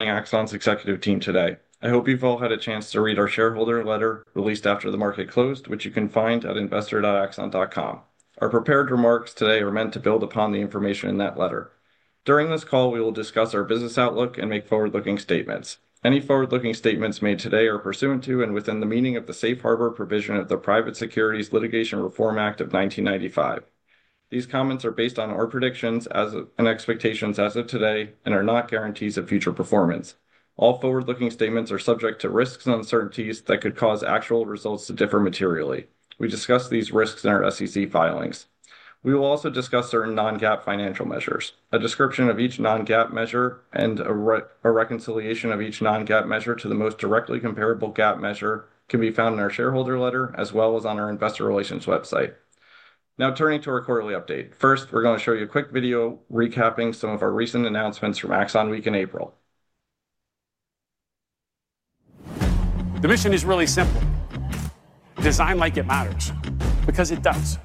Axon's executive team today. I hope you've all had a chance to read our shareholder letter released after the market closed, which you can find at investor.axon.com. Our prepared remarks today are meant to build upon the information in that letter. During this call, we will discuss our business outlook and make forward-looking statements. Any forward-looking statements made today are pursuant to and within the meaning of the safe harbor provision of the Private Securities Litigation Reform Act of 1995. These comments are based on our predictions and expectations as of today and are not guarantees of future performance. All forward-looking statements are subject to risks and uncertainties that could cause actual results to differ materially. We discuss these risks in our SEC filings. We will also discuss certain non-GAAP financial measures. A description of each non-GAAP measure and a reconciliation of each non-GAAP measure to the most directly comparable GAAP measure can be found in our shareholder letter as well as on our investor relations website. Now, turning to our quarterly update. First, we're going to show you a quick video recapping some of our recent announcements from Axon Week in April. The mission is really simple. Design like it matters because it does.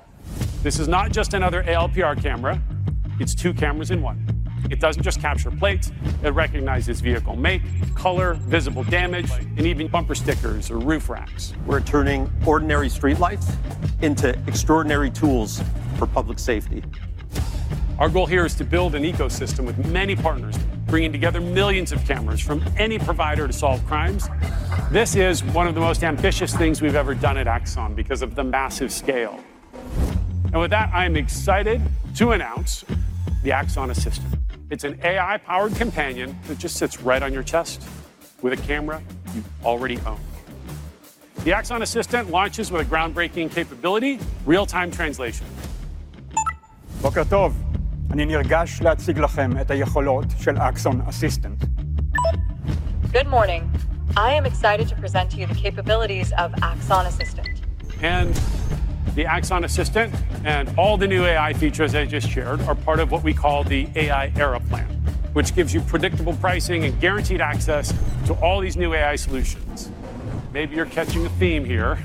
This is not just another ALPR camera. It is two cameras in one. It does not just capture plates. It recognizes vehicle make, color, visible damage, and even bumper stickers or roof racks. We're turning ordinary streetlights into extraordinary tools for public safety. Our goal here is to build an ecosystem with many partners bringing together millions of cameras from any provider to solve crimes. This is one of the most ambitious things we have ever done at Axon because of the massive scale. With that, I am excited to announce the Axon Assistant. It is an AI-powered companion that just sits right on your chest with a camera you already own. The Axon Assistant launches with a groundbreaking capability, real-time translation. Boker tov. Ani nirgash lehatzig lachem et hayecholot shel Axon Assistant. Good morning. I am excited to present to you the capabilities of Axon Assistant. The Axon Assistant and all the new AI features I just shared are part of what we call the AI Era Plan, which gives you predictable pricing and guaranteed access to all these new AI solutions. Maybe you're catching a theme here.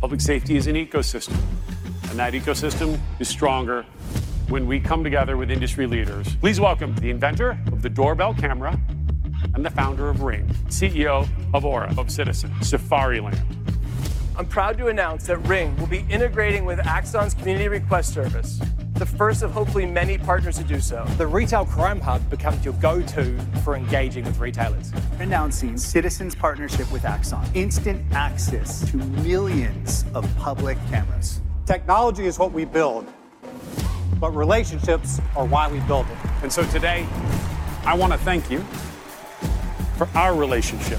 Public safety is an ecosystem, and that ecosystem is stronger when we come together with industry leaders. Please welcome the inventor of the doorbell camera and the founder of Ring, CEO of Aura, of Citizen, SafariLand. I'm proud to announce that Ring will be integrating with Axon's community request service, the first of hopefully many partners to do so. The retail crime hub becomes your go-to for engaging with retailers. Announcing Citizen's partnership with Axon. Instant access to millions of public cameras. Technology is what we build, but relationships are why we build it. Today, I want to thank you for our relationship.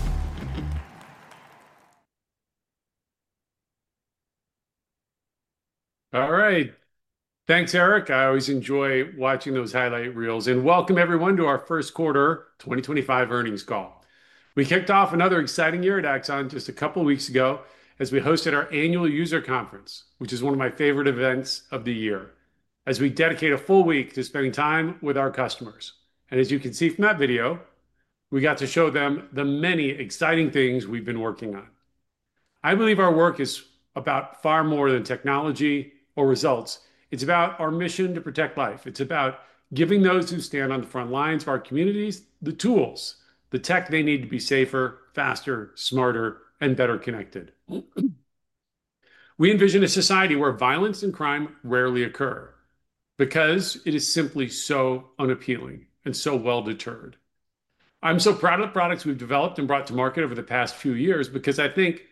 All right. Thanks, Erik. I always enjoy watching those highlight reels. Welcome, everyone, to our First Quarter 2025 Earnings Call. We kicked off another exciting year at Axon just a couple of weeks ago as we hosted our annual user conference, which is one of my favorite events of the year, as we dedicate a full week to spending time with our customers. As you can see from that video, we got to show them the many exciting things we've been working on. I believe our work is about far more than technology or results. It's about our mission to protect life. It's about giving those who stand on the front lines of our communities the tools, the tech they need to be safer, faster, smarter, and better connected. We envision a society where violence and crime rarely occur because it is simply so unappealing and so well-deterred. I'm so proud of the products we've developed and brought to market over the past few years because I think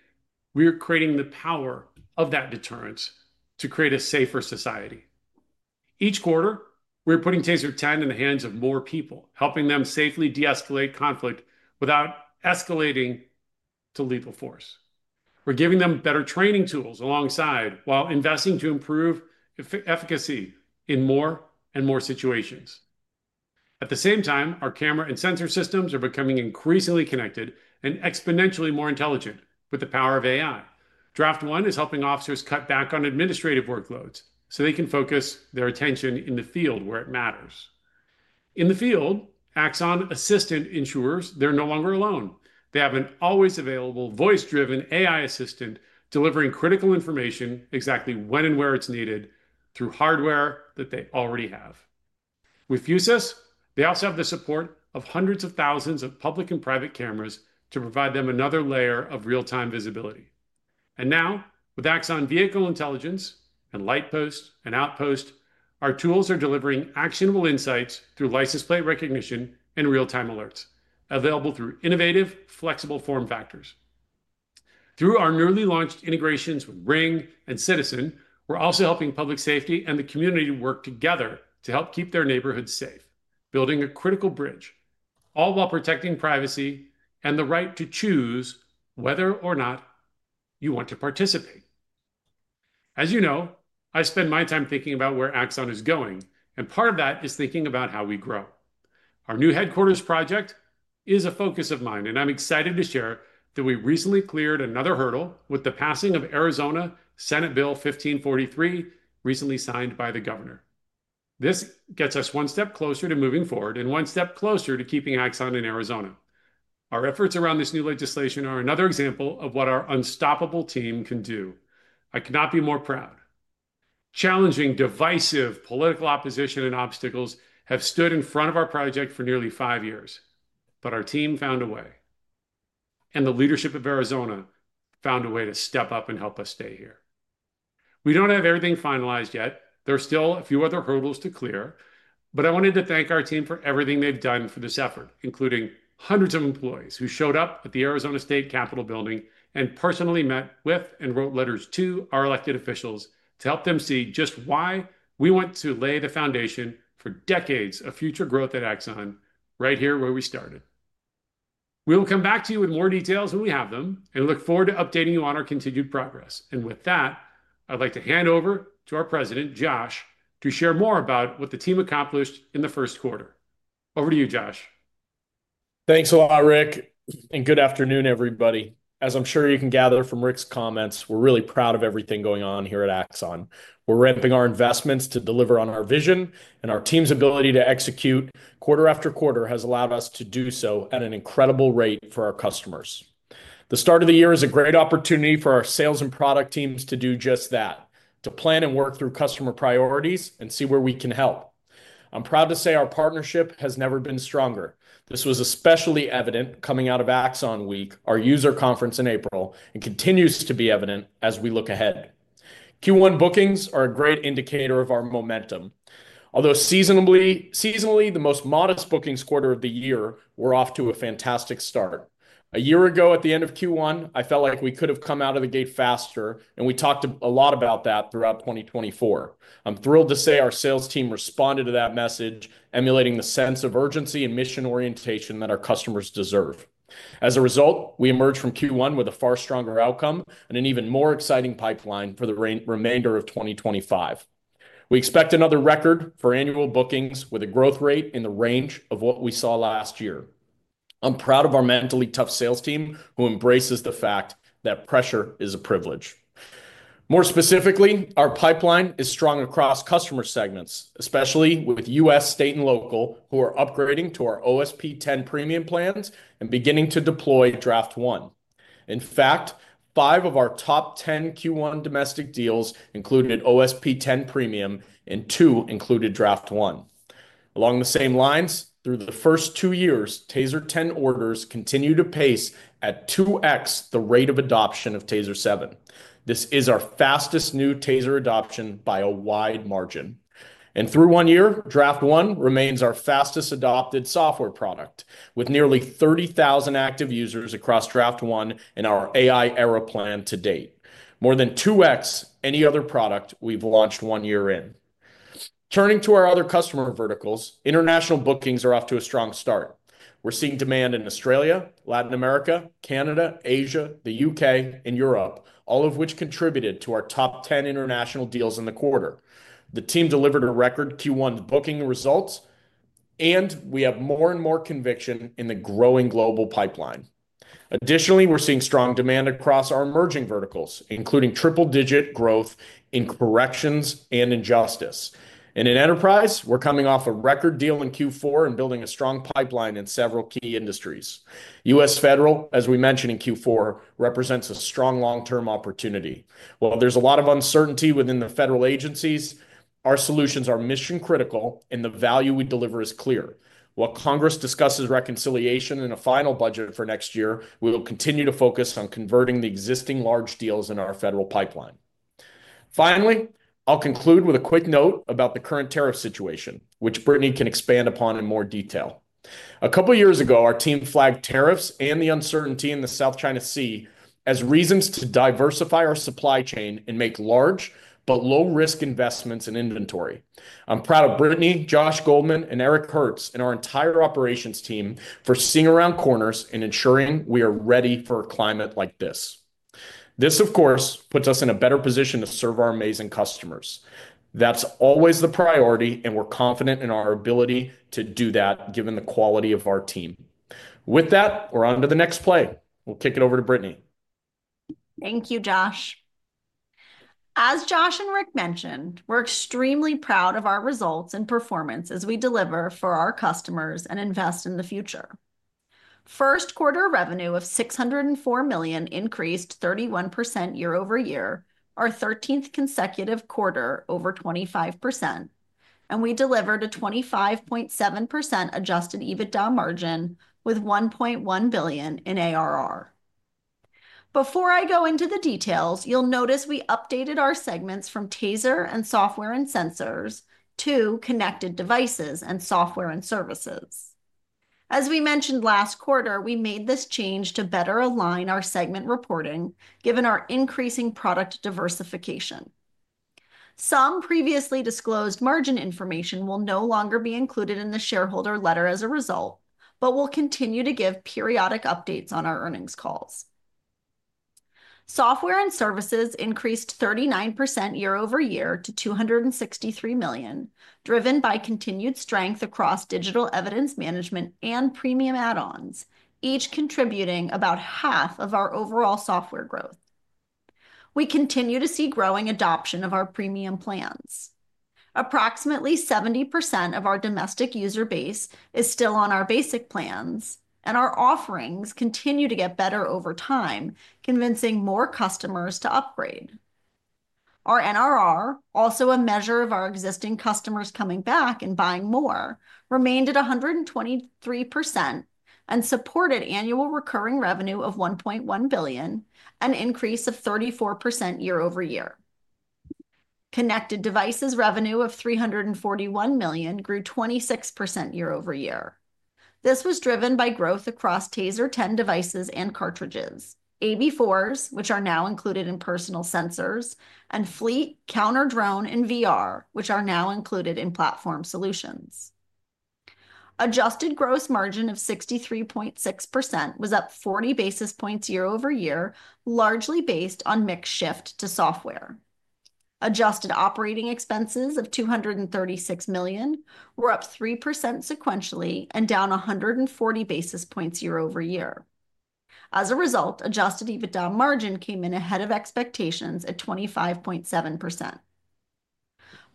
we are creating the power of that deterrence to create a safer society. Each quarter, we're putting TASER 10 in the hands of more people, helping them safely de-escalate conflict without escalating to lethal force. We're giving them better training tools alongside while investing to improve efficacy in more and more situations. At the same time, our camera and sensor systems are becoming increasingly connected and exponentially more intelligent with the power of AI. Draft One is helping officers cut back on administrative workloads so they can focus their attention in the field where it matters. In the field, Axon Assistant ensures they're no longer alone. They have an always available voice-driven AI assistant delivering critical information exactly when and where it's needed through hardware that they already have. With Fusus, they also have the support of hundreds of thousands of public and private cameras to provide them another layer of real-time visibility. Now, with Axon Vehicle Intelligence and Light Post and Outpost, our tools are delivering actionable insights through license plate recognition and real-time alerts available through innovative, flexible form factors. Through our newly launched integrations with Ring and Citizen, we're also helping public safety and the community work together to help keep their neighborhoods safe, building a critical bridge, all while protecting privacy and the right to choose whether or not you want to participate. As you know, I spend my time thinking about where Axon is going, and part of that is thinking about how we grow. Our new headquarters project is a focus of mine, and I'm excited to share that we recently cleared another hurdle with the passing of Arizona Senate Bill 1543, recently signed by the governor. This gets us one step closer to moving forward and one step closer to keeping Axon in Arizona. Our efforts around this new legislation are another example of what our unstoppable team can do. I could not be more proud. Challenging, divisive political opposition and obstacles have stood in front of our project for nearly five years, but our team found a way, and the leadership of Arizona found a way to step up and help us stay here. We don't have everything finalized yet. There are still a few other hurdles to clear, but I wanted to thank our team for everything they've done for this effort, including hundreds of employees who showed up at the Arizona State Capitol building and personally met with and wrote letters to our elected officials to help them see just why we want to lay the foundation for decades of future growth at Axon right here where we started. We will come back to you with more details when we have them and look forward to updating you on our continued progress. With that, I'd like to hand over to our President, Josh, to share more about what the team accomplished in the first quarter. Over to you, Josh. Thanks a lot, Rick, and good afternoon, everybody. As I'm sure you can gather from Rick's comments, we're really proud of everything going on here at Axon. We're ramping our investments to deliver on our vision, and our team's ability to execute quarter after quarter has allowed us to do so at an incredible rate for our customers. The start of the year is a great opportunity for our sales and product teams to do just that, to plan and work through customer priorities and see where we can help. I'm proud to say our partnership has never been stronger. This was especially evident coming out of Axon Week, our user conference in April, and continues to be evident as we look ahead. Q1 bookings are a great indicator of our momentum. Although seasonally, the most modest bookings quarter of the year, we're off to a fantastic start. A year ago, at the end of Q1, I felt like we could have come out of the gate faster, and we talked a lot about that throughout 2024. I'm thrilled to say our sales team responded to that message, emulating the sense of urgency and mission orientation that our customers deserve. As a result, we emerged from Q1 with a far stronger outcome and an even more exciting pipeline for the remainder of 2025. We expect another record for annual bookings with a growth rate in the range of what we saw last year. I'm proud of our mentally tough sales team who embraces the fact that pressure is a privilege. More specifically, our pipeline is strong across customer segments, especially with U.S., state, and local who are upgrading to our OSP 10 premium plans and beginning to deploy Draft One. In fact, five of our top 10 Q1 domestic deals included OSP 10 premium, and two included Draft One. Along the same lines, through the first two years, TASER 10 orders continue to pace at 2X the rate of adoption of TASER 7. This is our fastest new TASER adoption by a wide margin. Through one year, Draft One remains our fastest adopted software product with nearly 30,000 active users across Draft One and our AI Era Plan to date. More than 2X any other product we've launched one year in. Turning to our other customer verticals, international bookings are off to a strong start. We're seeing demand in Australia, Latin America, Canada, Asia, the U.K., and Europe, all of which contributed to our top 10 international deals in the quarter. The team delivered a record Q1 booking results, and we have more and more conviction in the growing global pipeline. Additionally, we're seeing strong demand across our emerging verticals, including triple-digit growth in corrections and in justice. In enterprise, we're coming off a record deal in Q4 and building a strong pipeline in several key industries. US federal, as we mentioned in Q4, represents a strong long-term opportunity. While there's a lot of uncertainty within the federal agencies, our solutions are mission-critical and the value we deliver is clear. While Congress discusses reconciliation and a final budget for next year, we will continue to focus on converting the existing large deals in our federal pipeline. Finally, I'll conclude with a quick note about the current tariff situation, which Brittany can expand upon in more detail. A couple of years ago, our team flagged tariffs and the uncertainty in the South China Sea as reasons to diversify our supply chain and make large but low-risk investments in inventory. I'm proud of Brittany, Josh Goldman, and Eric Kurtz and our entire operations team for seeing around corners and ensuring we are ready for a climate like this. This, of course, puts us in a better position to serve our amazing customers. That's always the priority, and we're confident in our ability to do that given the quality of our team. With that, we're on to the next play. We'll kick it over to Brittany. Thank you, Josh. As Josh and Rick mentioned, we're extremely proud of our results and performance as we deliver for our customers and invest in the future. First quarter revenue of $604 million increased 31% year over year, our 13th consecutive quarter over 25%, and we delivered a 25.7% adjusted EBITDA margin with $1.1 billion in ARR. Before I go into the details, you'll notice we updated our segments from Taser and software and sensors to connected devices and software and services. As we mentioned last quarter, we made this change to better align our segment reporting given our increasing product diversification. Some previously disclosed margin information will no longer be included in the shareholder letter as a result, but we'll continue to give periodic updates on our earnings calls. Software and services increased 39% year over year to $263 million, driven by continued strength across digital evidence management and premium add-ons, each contributing about half of our overall software growth. We continue to see growing adoption of our premium plans. Approximately 70% of our domestic user base is still on our basic plans, and our offerings continue to get better over time, convincing more customers to upgrade. Our NRR, also a measure of our existing customers coming back and buying more, remained at 123% and supported annual recurring revenue of $1.1 billion, an increase of 34% year over year. Connected devices revenue of $341 million grew 26% year over year. This was driven by growth across TASER 10 devices and cartridges, AB4s, which are now included in personal sensors, and fleet, counter drone, and VR, which are now included in platform solutions. Adjusted gross margin of 63.6% was up 40 basis points year over year, largely based on mix shift to software. Adjusted operating expenses of $236 million were up 3% sequentially and down 140 basis points year over year. As a result, adjusted EBITDA margin came in ahead of expectations at 25.7%.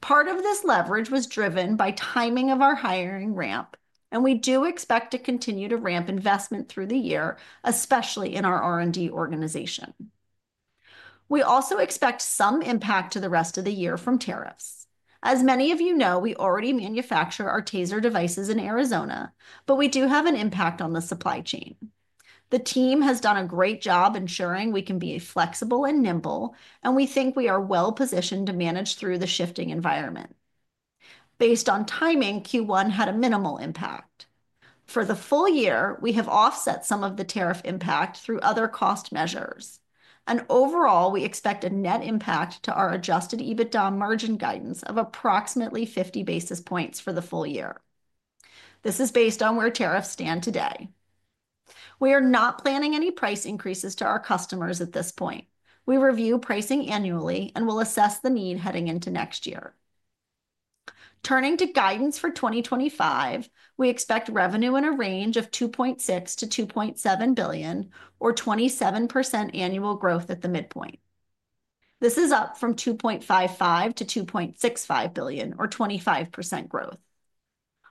Part of this leverage was driven by timing of our hiring ramp, and we do expect to continue to ramp investment through the year, especially in our R&D organization. We also expect some impact to the rest of the year from tariffs. As many of you know, we already manufacture our TASER devices in Arizona, but we do have an impact on the supply chain. The team has done a great job ensuring we can be flexible and nimble, and we think we are well-positioned to manage through the shifting environment. Based on timing, Q1 had a minimal impact. For the full year, we have offset some of the tariff impact through other cost measures. Overall, we expect a net impact to our adjusted EBITDA margin guidance of approximately 50 basis points for the full year. This is based on where tariffs stand today. We are not planning any price increases to our customers at this point. We review pricing annually and will assess the need heading into next year. Turning to guidance for 2025, we expect revenue in a range of $2.6 billion-$2.7 billion, or 27% annual growth at the midpoint. This is up from $2.55 billion-$2.65 billion, or 25% growth.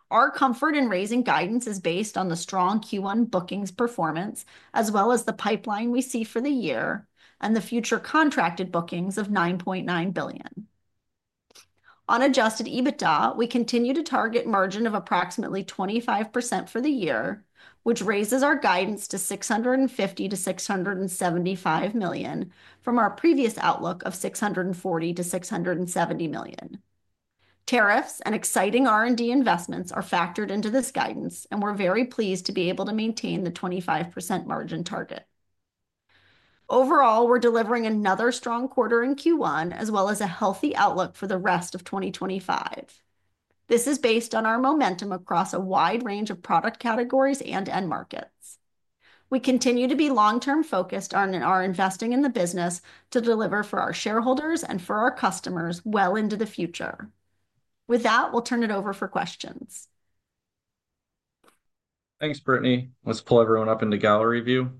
Our comfort in raising guidance is based on the strong Q1 bookings performance, as well as the pipeline we see for the year and the future contracted bookings of $9.9 billion. On adjusted EBITDA, we continue to target margin of approximately 25% for the year, which raises our guidance to $650-$675 million from our previous outlook of $640-$670 million. Tariffs and exciting R&D investments are factored into this guidance, and we're very pleased to be able to maintain the 25% margin target. Overall, we're delivering another strong quarter in Q1, as well as a healthy outlook for the rest of 2025. This is based on our momentum across a wide range of product categories and end markets. We continue to be long-term focused on our investing in the business to deliver for our shareholders and for our customers well into the future. With that, we'll turn it over for questions. Thanks, Brittany. Let's pull everyone up into gallery view.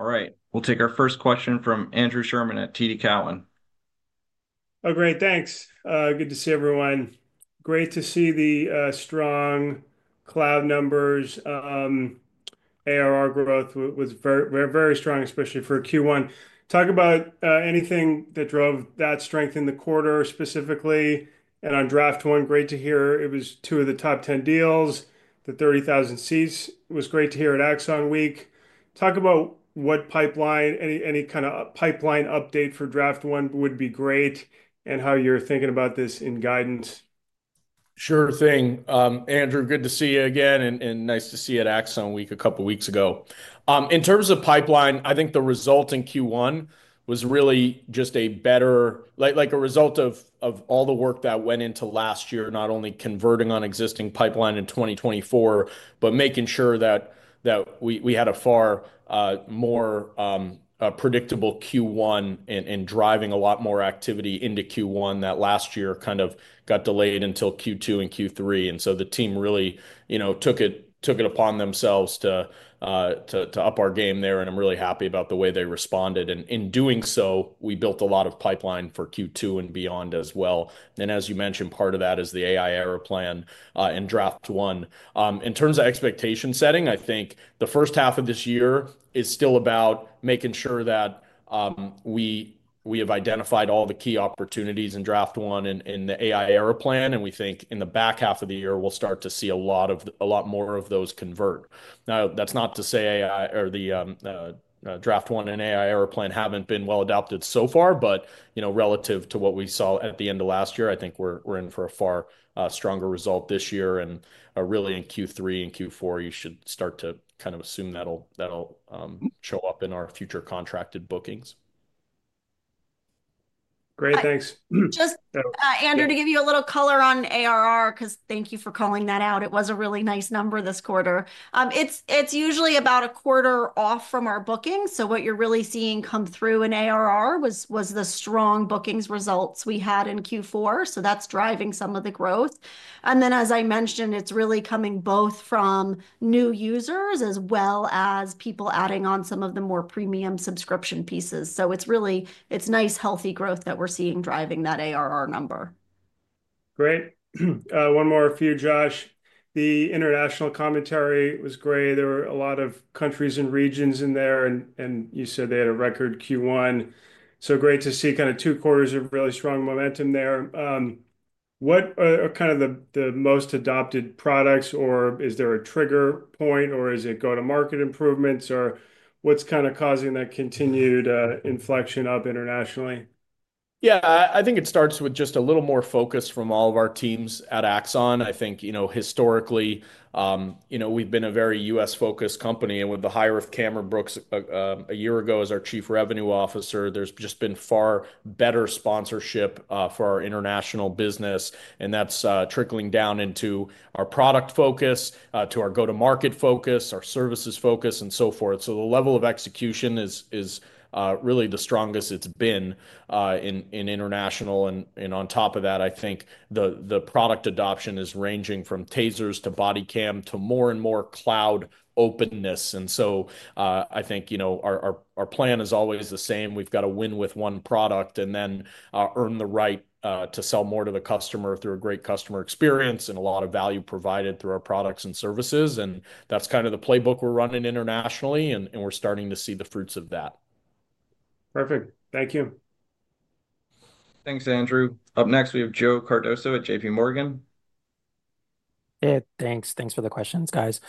All right, we'll take our first question from Andrew Sherman at TD Cowen. Oh, great. Thanks. Good to see everyone. Great to see the strong cloud numbers. ARR growth was very strong, especially for Q1. Talk about anything that drove that strength in the quarter specifically. On Draft One, great to hear it was two of the top 10 deals. The 30,000 seats was great to hear at Axon Week. Talk about what pipeline, any kind of pipeline update for Draft One would be great and how you're thinking about this in guidance. Sure thing. Andrew, good to see you again and nice to see you at Axon Week a couple of weeks ago. In terms of pipeline, I think the result in Q1 was really just a better, like a result of all the work that went into last year, not only converting on existing pipeline in 2024, but making sure that we had a far more predictable Q1 and driving a lot more activity into Q1 that last year kind of got delayed until Q2 and Q3. The team really took it upon themselves to up our game there, and I'm really happy about the way they responded. In doing so, we built a lot of pipeline for Q2 and beyond as well. As you mentioned, part of that is the AI Era Plan and Draft One. In terms of expectation setting, I think the first half of this year is still about making sure that we have identified all the key opportunities in Draft One and the AI Era Plan. We think in the back half of the year, we'll start to see a lot more of those convert. Now, that's not to say the Draft One and AI Era Plan haven't been well adopted so far, but relative to what we saw at the end of last year, I think we're in for a far stronger result this year. Really in Q3 and Q4, you should start to kind of assume that'll show up in our future contracted bookings. Great, thanks. Just, Andrew, to give you a little color on ARR, because thank you for calling that out. It was a really nice number this quarter. It's usually about a quarter off from our booking. What you're really seeing come through in ARR was the strong bookings results we had in Q4. That's driving some of the growth. As I mentioned, it's really coming both from new users as well as people adding on some of the more premium subscription pieces. It's really nice, healthy growth that we're seeing driving that ARR number. Great. One more for you, Josh. The international commentary was great. There were a lot of countries and regions in there, and you said they had a record Q1. Great to see kind of two quarters of really strong momentum there. What are kind of the most adopted products, or is there a trigger point, or is it go-to-market improvements, or what's kind of causing that continued inflection up internationally? Yeah, I think it starts with just a little more focus from all of our teams at Axon. I think historically, we've been a very U.S.-focused company. With the hire of Cameron Brooks a year ago as our Chief Revenue Officer, there's just been far better sponsorship for our international business. That's trickling down into our product focus, to our go-to-market focus, our services focus, and so forth. The level of execution is really the strongest it's been in international. On top of that, I think the product adoption is ranging from TASERS to body cam to more and more cloud openness. I think our plan is always the same. We've got to win with one product and then earn the right to sell more to the customer through a great customer experience and a lot of value provided through our products and services. That's kind of the playbook we're running internationally, and we're starting to see the fruits of that. Perfect. Thank you. Thanks, Andrew. Up next, we have Joe Cardoso at JPMorgan. Hey, thanks. Thanks for the questions, guys.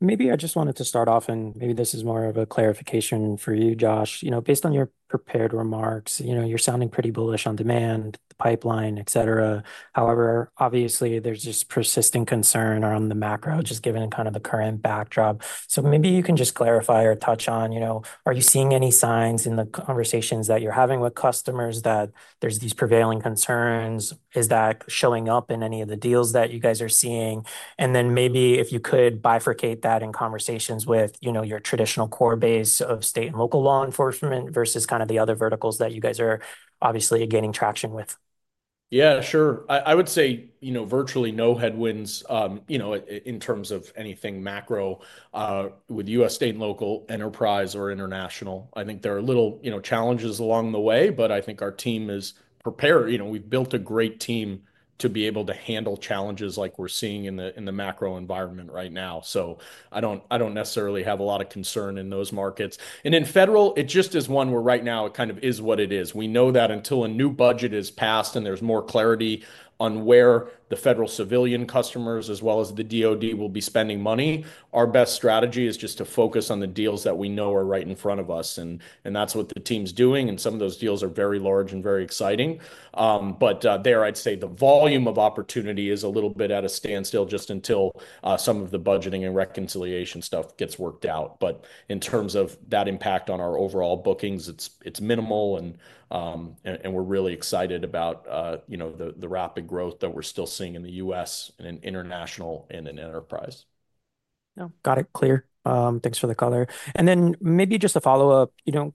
Maybe I just wanted to start off, and maybe this is more of a clarification for you, Josh. Based on your prepared remarks, you're sounding pretty bullish on demand, the pipeline, et cetera. However, obviously, there's this persistent concern around the macro, just given kind of the current backdrop. Maybe you can just clarify or touch on, are you seeing any signs in the conversations that you're having with customers that there's these prevailing concerns? Is that showing up in any of the deals that you guys are seeing? Maybe if you could bifurcate that in conversations with your traditional core base of state and local law enforcement versus kind of the other verticals that you guys are obviously gaining traction with. Yeah, sure. I would say virtually no headwinds in terms of anything macro with U.S. state and local enterprise or international. I think there are little challenges along the way, but I think our team is prepared. We've built a great team to be able to handle challenges like we're seeing in the macro environment right now. I don't necessarily have a lot of concern in those markets. In federal, it just is one where right now it kind of is what it is. We know that until a new budget is passed and there's more clarity on where the federal civilian customers as well as the DoD will be spending money, our best strategy is just to focus on the deals that we know are right in front of us. That's what the team's doing. Some of those deals are very large and very exciting. I'd say the volume of opportunity is a little bit at a standstill just until some of the budgeting and reconciliation stuff gets worked out. In terms of that impact on our overall bookings, it's minimal, and we're really excited about the rapid growth that we're still seeing in the U.S. and in international and in enterprise. Got it. Clear. Thanks for the color. Maybe just a follow-up.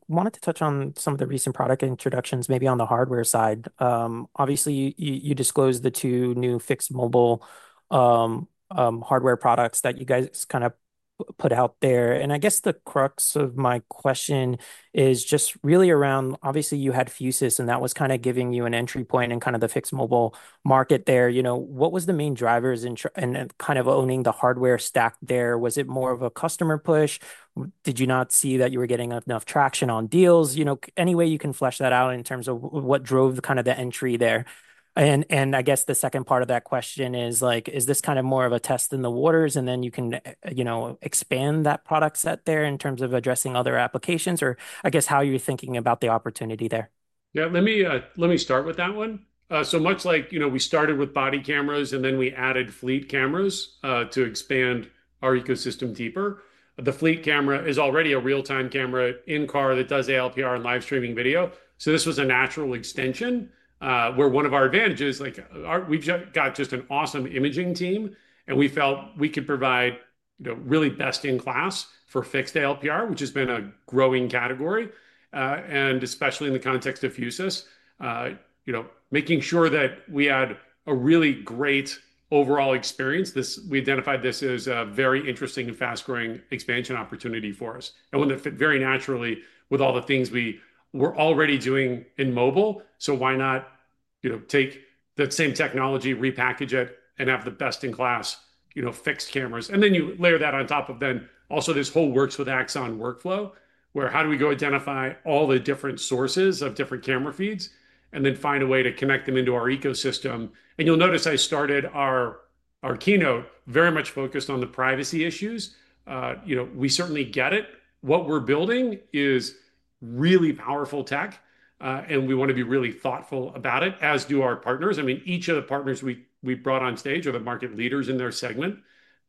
Wanted to touch on some of the recent product introductions, maybe on the hardware side. Obviously, you disclosed the two new fixed mobile hardware products that you guys kind of put out there. I guess the crux of my question is just really around, obviously, you had Fusus, and that was kind of giving you an entry point in kind of the fixed mobile market there. What was the main drivers in kind of owning the hardware stack there? Was it more of a customer push? Did you not see that you were getting enough traction on deals? Any way you can flesh that out in terms of what drove kind of the entry there? I guess the second part of that question is, is this kind of more of a test in the waters, and then you can expand that product set there in terms of addressing other applications, or I guess how you're thinking about the opportunity there? Yeah, let me start with that one. Much like we started with body cameras, and then we added fleet cameras to expand our ecosystem deeper. The fleet camera is already a real-time camera in car that does ALPR and live streaming video. This was a natural extension where one of our advantages, we've got just an awesome imaging team, and we felt we could provide really best in class for fixed ALPR, which has been a growing category, and especially in the context of Fusus, making sure that we had a really great overall experience. We identified this as a very interesting and fast-growing expansion opportunity for us. It would not have fit very naturally with all the things we were already doing in mobile. Why not take the same technology, repackage it, and have the best in class fixed cameras? You layer that on top of then also this whole works with Axon workflow where how do we go identify all the different sources of different camera feeds and then find a way to connect them into our ecosystem? You'll notice I started our keynote very much focused on the privacy issues. We certainly get it. What we're building is really powerful tech, and we want to be really thoughtful about it, as do our partners. I mean, each of the partners we brought on stage are the market leaders in their segment.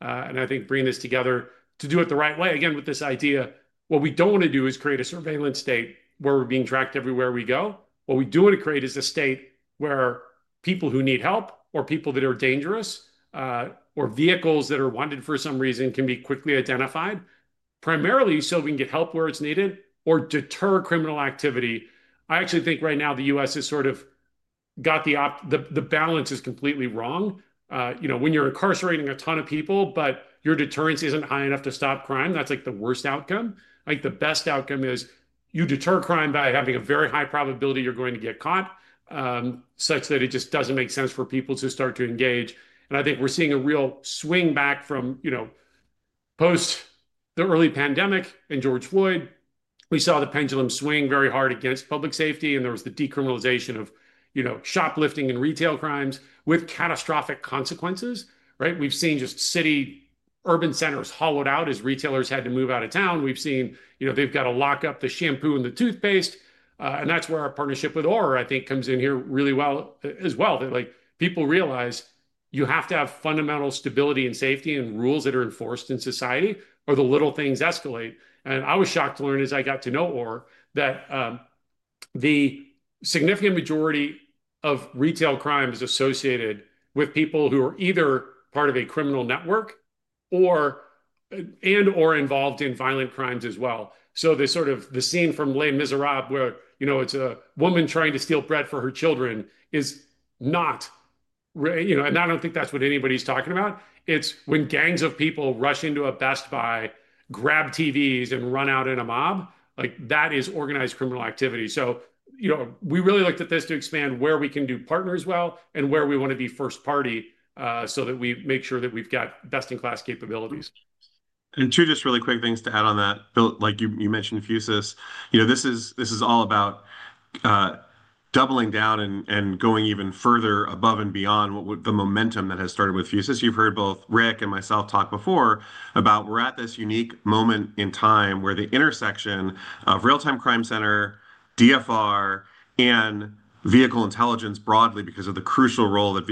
I think bringing this together to do it the right way, again, with this idea, what we don't want to do is create a surveillance state where we're being tracked everywhere we go. What we do want to create is a state where people who need help or people that are dangerous or vehicles that are wanted for some reason can be quickly identified, primarily so we can get help where it's needed or deter criminal activity. I actually think right now the U.S. has sort of got the balance is completely wrong. When you're incarcerating a ton of people, but your deterrence isn't high enough to stop crime, that's like the worst outcome. The best outcome is you deter crime by having a very high probability you're going to get caught, such that it just doesn't make sense for people to start to engage. I think we're seeing a real swing back from post the early pandemic and George Floyd. We saw the pendulum swing very hard against public safety, and there was the decriminalization of shoplifting and retail crimes with catastrophic consequences. We've seen just city urban centers hollowed out as retailers had to move out of town. We've seen they've got to lock up the shampoo and the toothpaste. That's where our partnership with ORR, I think, comes in here really well as well. People realize you have to have fundamental stability and safety and rules that are enforced in society or the little things escalate. I was shocked to learn as I got to know ORR that the significant majority of retail crime is associated with people who are either part of a criminal network and/or involved in violent crimes as well. The scene from Les Misérables where it's a woman trying to steal bread for her children is not, and I don't think that's what anybody's talking about. It's when gangs of people rush into a Best Buy, grab TVs, and run out in a mob. That is organized criminal activity. We really looked at this to expand where we can do partners well and where we want to be first party so that we make sure that we've got best-in-class capabilities. Two just really quick things to add on that. Like you mentioned, Fusus, this is all about doubling down and going even further above and beyond the momentum that has started with Fusus. You've heard both Rick and myself talk before about we're at this unique moment in time where the intersection of real-time crime center, DFR, and vehicle intelligence broadly because of the crucial role that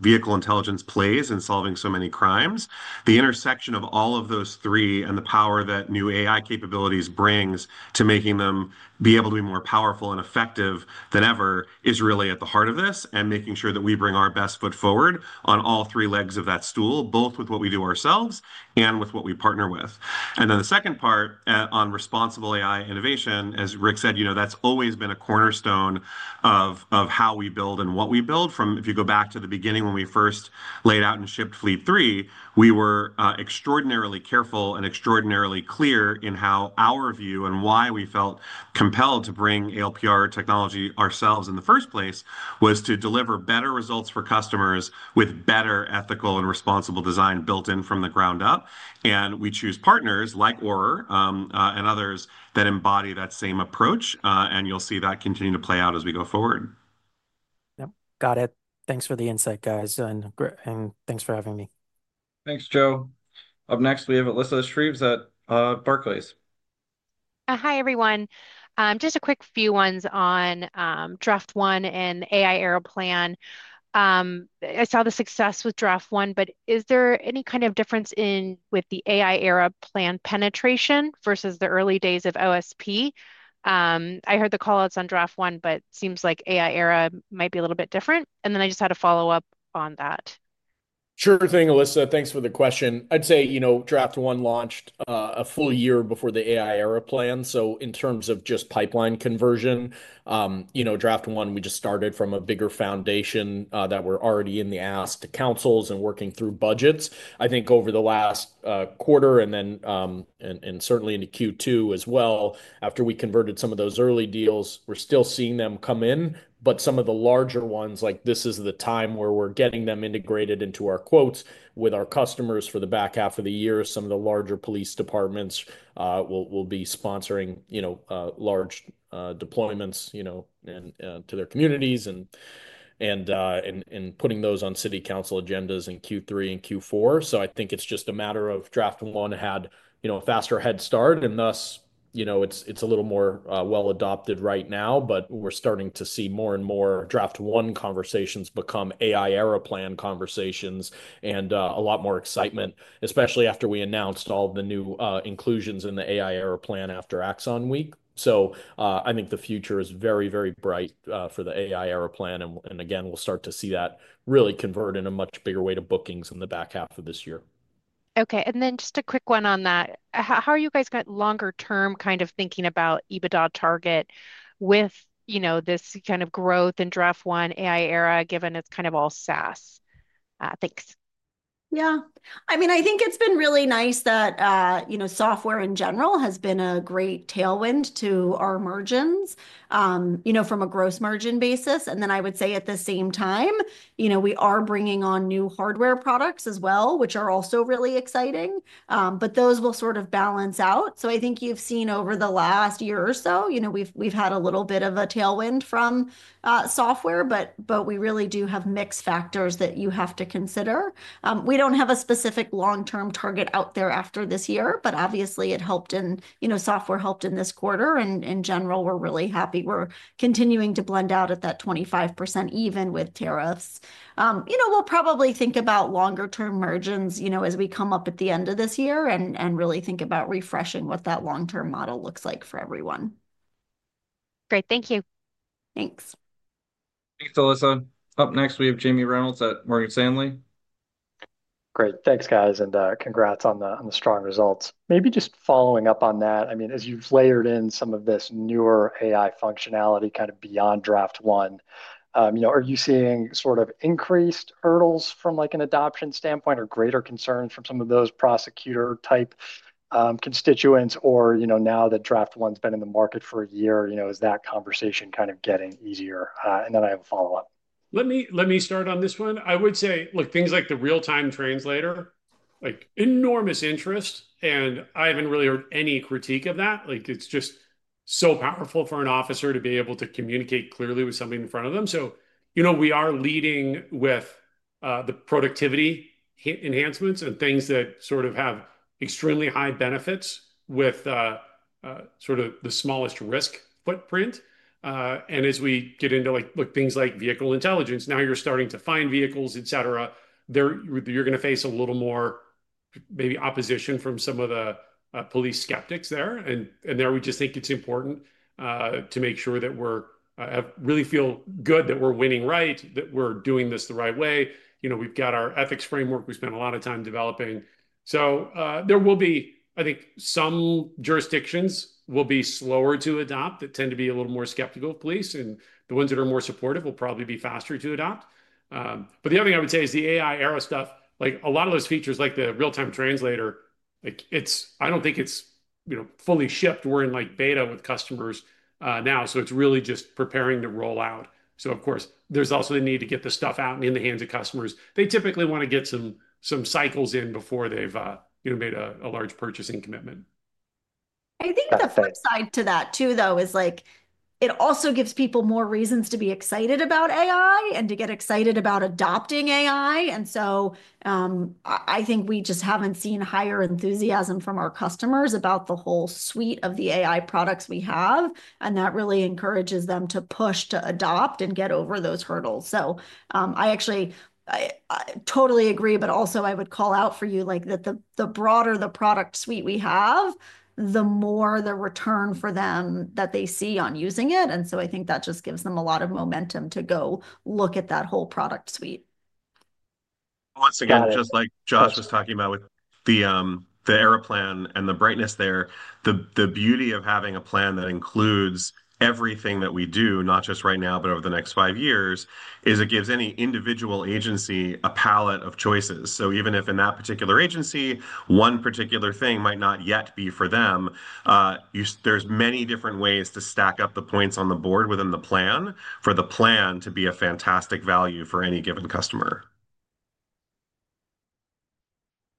vehicle intelligence plays in solving so many crimes. The intersection of all of those three and the power that new AI capabilities brings to making them be able to be more powerful and effective than ever is really at the heart of this and making sure that we bring our best foot forward on all three legs of that stool, both with what we do ourselves and with what we partner with. The second part on responsible AI innovation, as Rick said, that's always been a cornerstone of how we build and what we build. If you go back to the beginning when we first laid out and shipped Fleet 3, we were extraordinarily careful and extraordinarily clear in how our view and why we felt compelled to bring ALPR technology ourselves in the first place was to deliver better results for customers with better ethical and responsible design built in from the ground up. We choose partners like Orr and others that embody that same approach. You'll see that continue to play out as we go forward. Yep. Got it. Thanks for the insight, guys. Thanks for having me. Thanks, Joe. Up next, we have Alyssa Shreeves at Barclays. Hi, everyone. Just a quick few ones on Draft One and AI Era Plan. I saw the success with Draft One, but is there any kind of difference with the AI Era Plan penetration versus the early days of OSP? I heard the callouts on Draft One, but it seems like AI Era might be a little bit different. I just had a follow-up on that. Sure thing, Alyssa. Thanks for the question. I'd say Draft One launched a full year before the AI Era Plan. So in terms of just pipeline conversion, Draft One, we just started from a bigger foundation that we're already in the ask to councils and working through budgets. I think over the last quarter and certainly into Q2 as well, after we converted some of those early deals, we're still seeing them come in. But some of the larger ones, like this is the time where we're getting them integrated into our quotes with our customers for the back half of the year. Some of the larger police departments will be sponsoring large deployments to their communities and putting those on city council agendas in Q3 and Q4. I think it's just a matter of Draft One had a faster head start, and thus it's a little more well adopted right now. We're starting to see more and more Draft One conversations become AI Era Plan conversations and a lot more excitement, especially after we announced all the new inclusions in the AI Era Plan after Axon Week. I think the future is very, very bright for the AI Era Plan. Again, we'll start to see that really convert in a much bigger way to bookings in the back half of this year. Okay. And then just a quick one on that. How are you guys longer term kind of thinking about EBITDA target with this kind of growth in Draft One AI Era, given it's kind of all SaaS? Thanks. Yeah. I mean, I think it's been really nice that software in general has been a great tailwind to our margins from a gross margin basis. I would say at the same time, we are bringing on new hardware products as well, which are also really exciting. Those will sort of balance out. I think you've seen over the last year or so, we've had a little bit of a tailwind from software, but we really do have mixed factors that you have to consider. We don't have a specific long-term target out there after this year, but obviously it helped in software, helped in this quarter. In general, we're really happy. We're continuing to blend out at that 25% even with tariffs. We'll probably think about longer-term margins as we come up at the end of this year and really think about refreshing what that long-term model looks like for everyone. Great. Thank you. Thanks. Thanks, Alyssa. Up next, we have Jamie Reynolds at Morgan Stanley. Great. Thanks, guys. And congrats on the strong results. Maybe just following up on that, I mean, as you've layered in some of this newer AI functionality kind of beyond Draft One, are you seeing sort of increased hurdles from an adoption standpoint or greater concerns from some of those prosecutor-type constituents? Or now that Draft One's been in the market for a year, is that conversation kind of getting easier? And then I have a follow-up. Let me start on this one. I would say, look, things like the real-time translator, enormous interest. I have not really heard any critique of that. It is just so powerful for an officer to be able to communicate clearly with something in front of them. We are leading with the productivity enhancements and things that sort of have extremely high benefits with sort of the smallest risk footprint. As we get into things like vehicle intelligence, now you are starting to find vehicles, et cetera, you are going to face a little more maybe opposition from some of the police skeptics there. There we just think it is important to make sure that we really feel good that we are winning right, that we are doing this the right way. We have got our ethics framework we spent a lot of time developing. There will be, I think, some jurisdictions will be slower to adopt that tend to be a little more skeptical of police. The ones that are more supportive will probably be faster to adopt. The other thing I would say is the AI Era stuff, a lot of those features like the real-time translator, I do not think it is fully shipped. We are in beta with customers now. It is really just preparing to roll out. Of course, there is also the need to get the stuff out in the hands of customers. They typically want to get some cycles in before they have made a large purchasing commitment. I think the flip side to that too, though, is it also gives people more reasons to be excited about AI and to get excited about adopting AI. I think we just have not seen higher enthusiasm from our customers about the whole suite of the AI products we have. That really encourages them to push to adopt and get over those hurdles. I actually totally agree, but also I would call out for you that the broader the product suite we have, the more the return for them that they see on using it. I think that just gives them a lot of momentum to go look at that whole product suite. Once again, just like Josh was talking about with the Era Plan and the brightness there, the beauty of having a plan that includes everything that we do, not just right now, but over the next five years, is it gives any individual agency a palette of choices. Even if in that particular agency, one particular thing might not yet be for them, there are many different ways to stack up the points on the board within the plan for the plan to be a fantastic value for any given customer.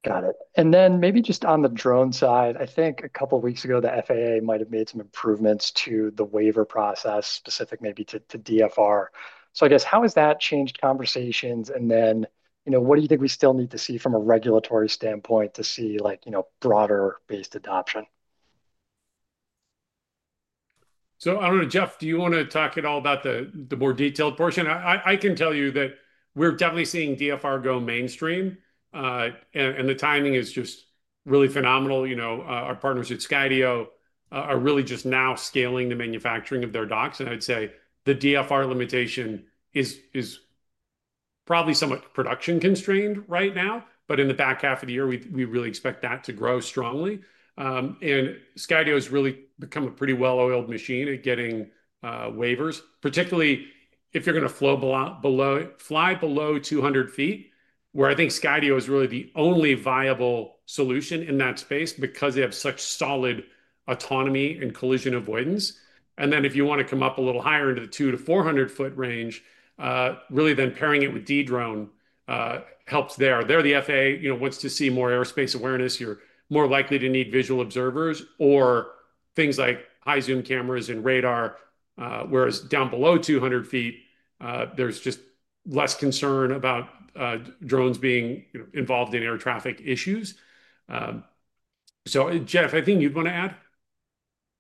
Got it. And then maybe just on the drone side, I think a couple of weeks ago, the FAA might have made some improvements to the waiver process specific maybe to DFR. So I guess how has that changed conversations? And then what do you think we still need to see from a regulatory standpoint to see broader-based adoption? I don't know, Jeff, do you want to talk at all about the more detailed portion? I can tell you that we're definitely seeing DFR go mainstream. The timing is just really phenomenal. Our partners at Skydio are really just now scaling the manufacturing of their docks. I'd say the DFR limitation is probably somewhat production constrained right now. In the back half of the year, we really expect that to grow strongly. Skydio has really become a pretty well-oiled machine at getting waivers, particularly if you're going to fly below 200 feet, where I think Skydio is really the only viable solution in that space because they have such solid autonomy and collision avoidance. If you want to come up a little higher into the 200-400 foot range, really then pairing it with Dedrone helps there. There the FAA wants to see more airspace awareness. You're more likely to need visual observers or things like high-zoom cameras and radar, whereas down below 200 feet, there's just less concern about drones being involved in air traffic issues. Jeff, anything you'd want to add?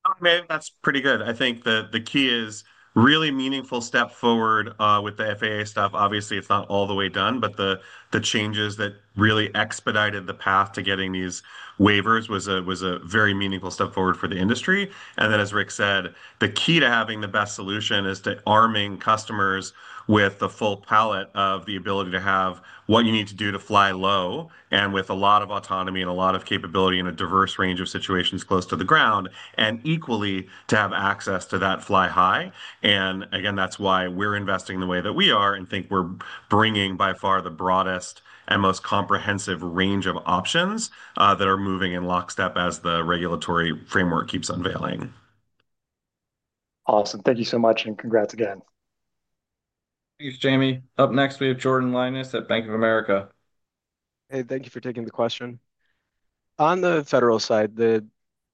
No, I mean, that's pretty good. I think the key is really meaningful step forward with the FAA stuff. Obviously, it's not all the way done, but the changes that really expedited the path to getting these waivers was a very meaningful step forward for the industry. As Rick said, the key to having the best solution is arming customers with the full palette of the ability to have what you need to do to fly low and with a lot of autonomy and a lot of capability in a diverse range of situations close to the ground and equally to have access to that fly high. Again, that's why we're investing the way that we are and think we're bringing by far the broadest and most comprehensive range of options that are moving in lockstep as the regulatory framework keeps unveiling. Awesome. Thank you so much. Congrats again. Thanks, Jamie. Up next, we have Jordan Lyonnnais at Bank of America. Hey, thank you for taking the question. On the federal side, the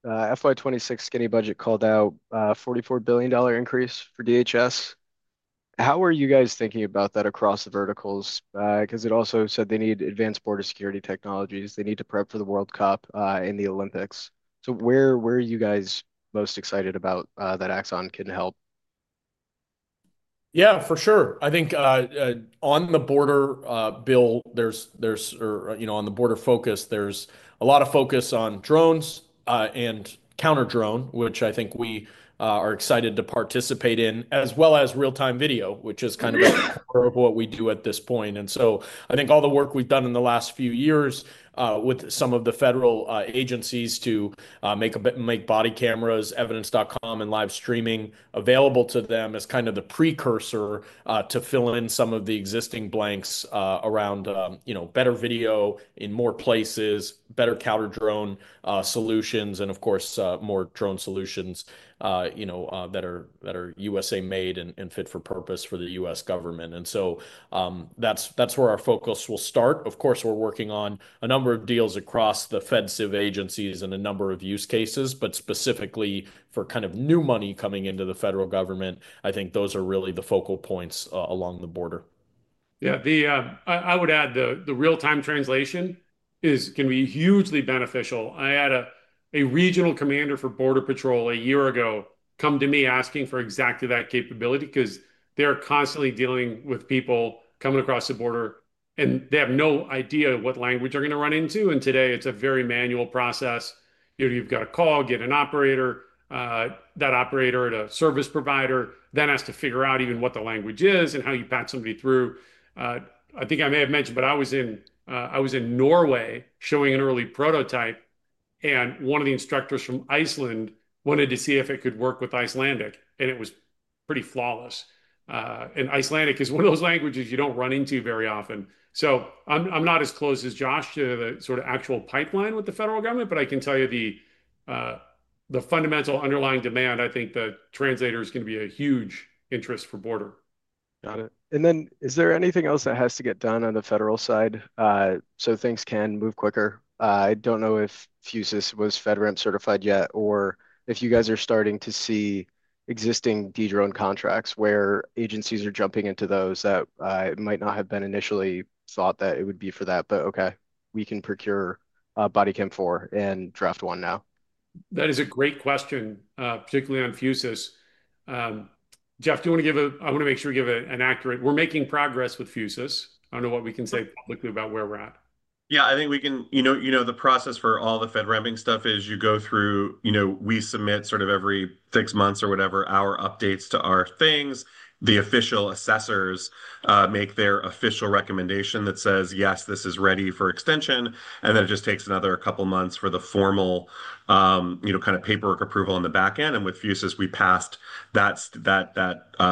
FY26 skinny budget called out a $44 billion increase for DHS. How are you guys thinking about that across the verticals? Because it also said they need advanced border security technologies. They need to prep for the World Cup and the Olympics. Where are you guys most excited about that Axon can help? Yeah, for sure. I think on the border bill, or on the border focus, there's a lot of focus on drones and counter-drone, which I think we are excited to participate in, as well as real-time video, which is kind of what we do at this point. I think all the work we've done in the last few years with some of the federal agencies to make body cameras, Evidence.com and live streaming available to them is kind of the precursor to fill in some of the existing blanks around better video in more places, better counter-drone solutions, and of course, more drone solutions that are U.S.A. made and fit for purpose for the U.S. government. That's where our focus will start. Of course, we're working on a number of deals across the FedCiv agencies and a number of use cases, but specifically for kind of new money coming into the federal government, I think those are really the focal points along the border. Yeah, I would add the real-time translation can be hugely beneficial. I had a regional commander for Border Patrol a year ago come to me asking for exactly that capability because they're constantly dealing with people coming across the border, and they have no idea what language they're going to run into. Today, it's a very manual process. You've got to call, get an operator, that operator at a service provider then has to figure out even what the language is and how you pat somebody through. I think I may have mentioned, but I was in Norway showing an early prototype, and one of the instructors from Iceland wanted to see if it could work with Icelandic. It was pretty flawless. Icelandic is one of those languages you do not run into very often. I am not as close as Josh to the actual pipeline with the federal government, but I can tell you the fundamental underlying demand, I think the translator is going to be a huge interest for border. Got it. Is there anything else that has to get done on the federal side so things can move quicker? I do not know if Fusus was FedRAMP certified yet or if you guys are starting to see existing Dedrone contracts where agencies are jumping into those that might not have been initially thought that it would be for that, but okay, we can procure Body Cam 4 and Draft One now. That is a great question, particularly on Fusus. Jeff, do you want to give a—I want to make sure we give an accurate—we're making progress with Fusus. I don't know what we can say publicly about where we're at. Yeah, I think we can—you know the process for all the FedRAMPing stuff is you go through, we submit sort of every six months or whatever our updates to our things. The official assessors make their official recommendation that says, "Yes, this is ready for extension." It just takes another couple of months for the formal kind of paperwork approval on the back end. With Fusus, we passed that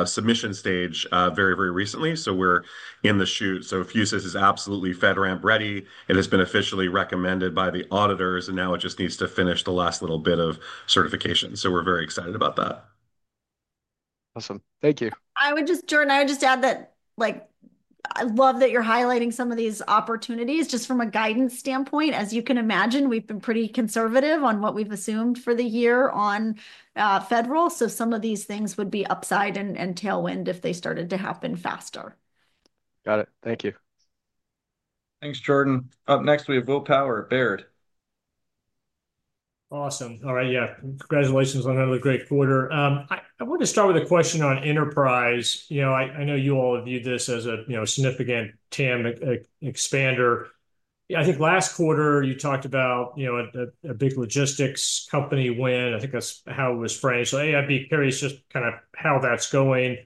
submission stage very, very recently. We're in the chute. Fusus is absolutely FedRAMP ready. It has been officially recommended by the auditors, and now it just needs to finish the last little bit of certification. We're very excited about that. Awesome. Thank you. I would just—Jordan, I would just add that I love that you're highlighting some of these opportunities just from a guidance standpoint. As you can imagine, we've been pretty conservative on what we've assumed for the year on federal. Some of these things would be upside and tailwind if they started to happen faster. Got it. Thank you. Thanks, Jordan. Up next, we have Will Power at Baird. Awesome. All right, yeah. Congratulations on another great quarter. I wanted to start with a question on enterprise. I know you all view this as a significant TAM expander. I think last quarter, you talked about a big logistics company win. I think that's how it was phrased. A, I'd be curious just kind of how that's going.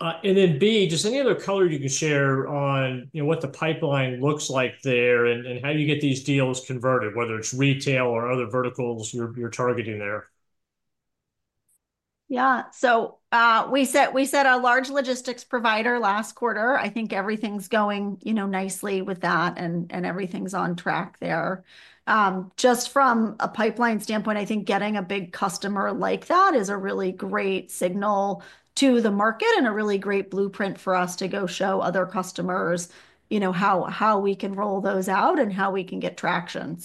B, just any other color you can share on what the pipeline looks like there and how do you get these deals converted, whether it's retail or other verticals you're targeting there? Yeah. So we said a large logistics provider last quarter. I think everything's going nicely with that, and everything's on track there. Just from a pipeline standpoint, I think getting a big customer like that is a really great signal to the market and a really great blueprint for us to go show other customers how we can roll those out and how we can get traction.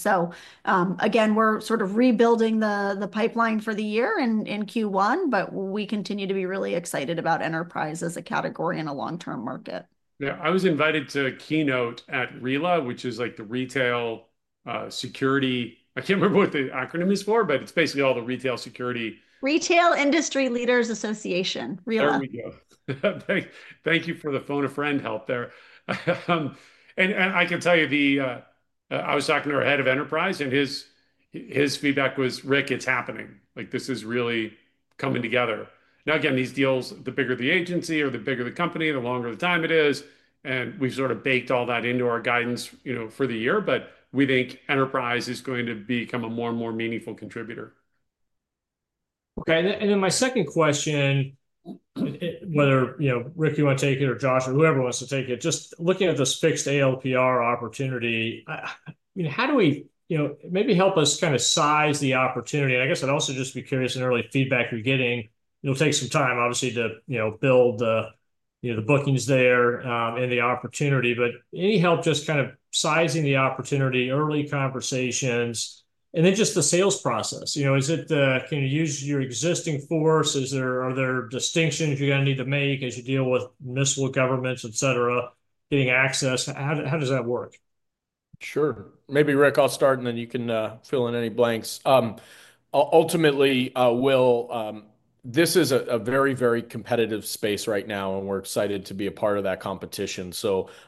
Again, we're sort of rebuilding the pipeline for the year in Q1, but we continue to be really excited about enterprise as a category in a long-term market. Yeah. I was invited to a keynote at RILA, which is the retail security. I can't remember what the acronym is for, but it's basically all the retail security. Retail Industry Leaders Association, RILA. There we go. Thank you for the phone-a-friend help there. I can tell you, I was talking to our Head of Enterprise, and his feedback was, "Rick, it's happening. This is really coming together." Now, again, these deals, the bigger the agency or the bigger the company, the longer the time it is. We have sort of baked all that into our guidance for the year, but we think enterprise is going to become a more and more meaningful contributor. Okay. And then my second question, whether Rick, you want to take it, or Josh, or whoever wants to take it, just looking at this fixed ALPR opportunity, how do we maybe help us kind of size the opportunity? I guess I'd also just be curious in early feedback you're getting. It'll take some time, obviously, to build the bookings there and the opportunity, but any help just kind of sizing the opportunity, early conversations, and then just the sales process. Can you use your existing force? Are there distinctions you're going to need to make as you deal with municipal governments, etc., getting access? How does that work? Sure. Maybe Rick, I'll start, and then you can fill in any blanks. Ultimately, this is a very, very competitive space right now, and we're excited to be a part of that competition.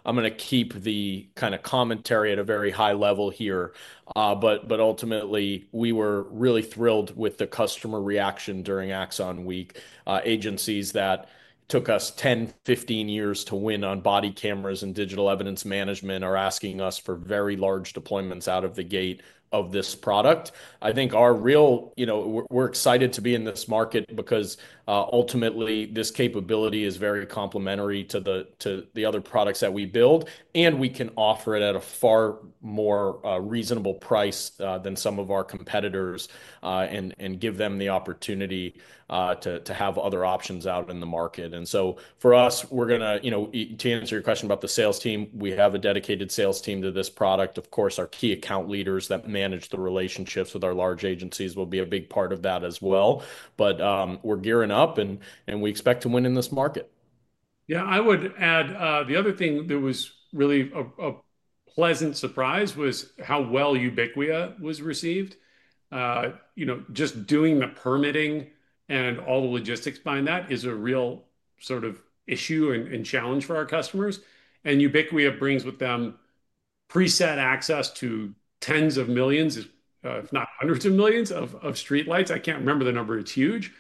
I'm going to keep the kind of commentary at a very high level here. Ultimately, we were really thrilled with the customer reaction during Axon Week. Agencies that took us 10-15 years to win on body cameras and digital evidence management are asking us for very large deployments out of the gate of this product. I think we're excited to be in this market because ultimately, this capability is very complementary to the other products that we build, and we can offer it at a far more reasonable price than some of our competitors and give them the opportunity to have other options out in the market. For us, to answer your question about the sales team, we have a dedicated sales team to this product. Of course, our key account leaders that manage the relationships with our large agencies will be a big part of that as well. We are gearing up, and we expect to win in this market. Yeah. I would add the other thing that was really a pleasant surprise was how well Ubiqua was received. Just doing the permitting and all the logistics behind that is a real sort of issue and challenge for our customers. And Ubiqua brings with them preset access to tens of millions, if not hundreds of millions of streetlights. I can't remember the number. It's huge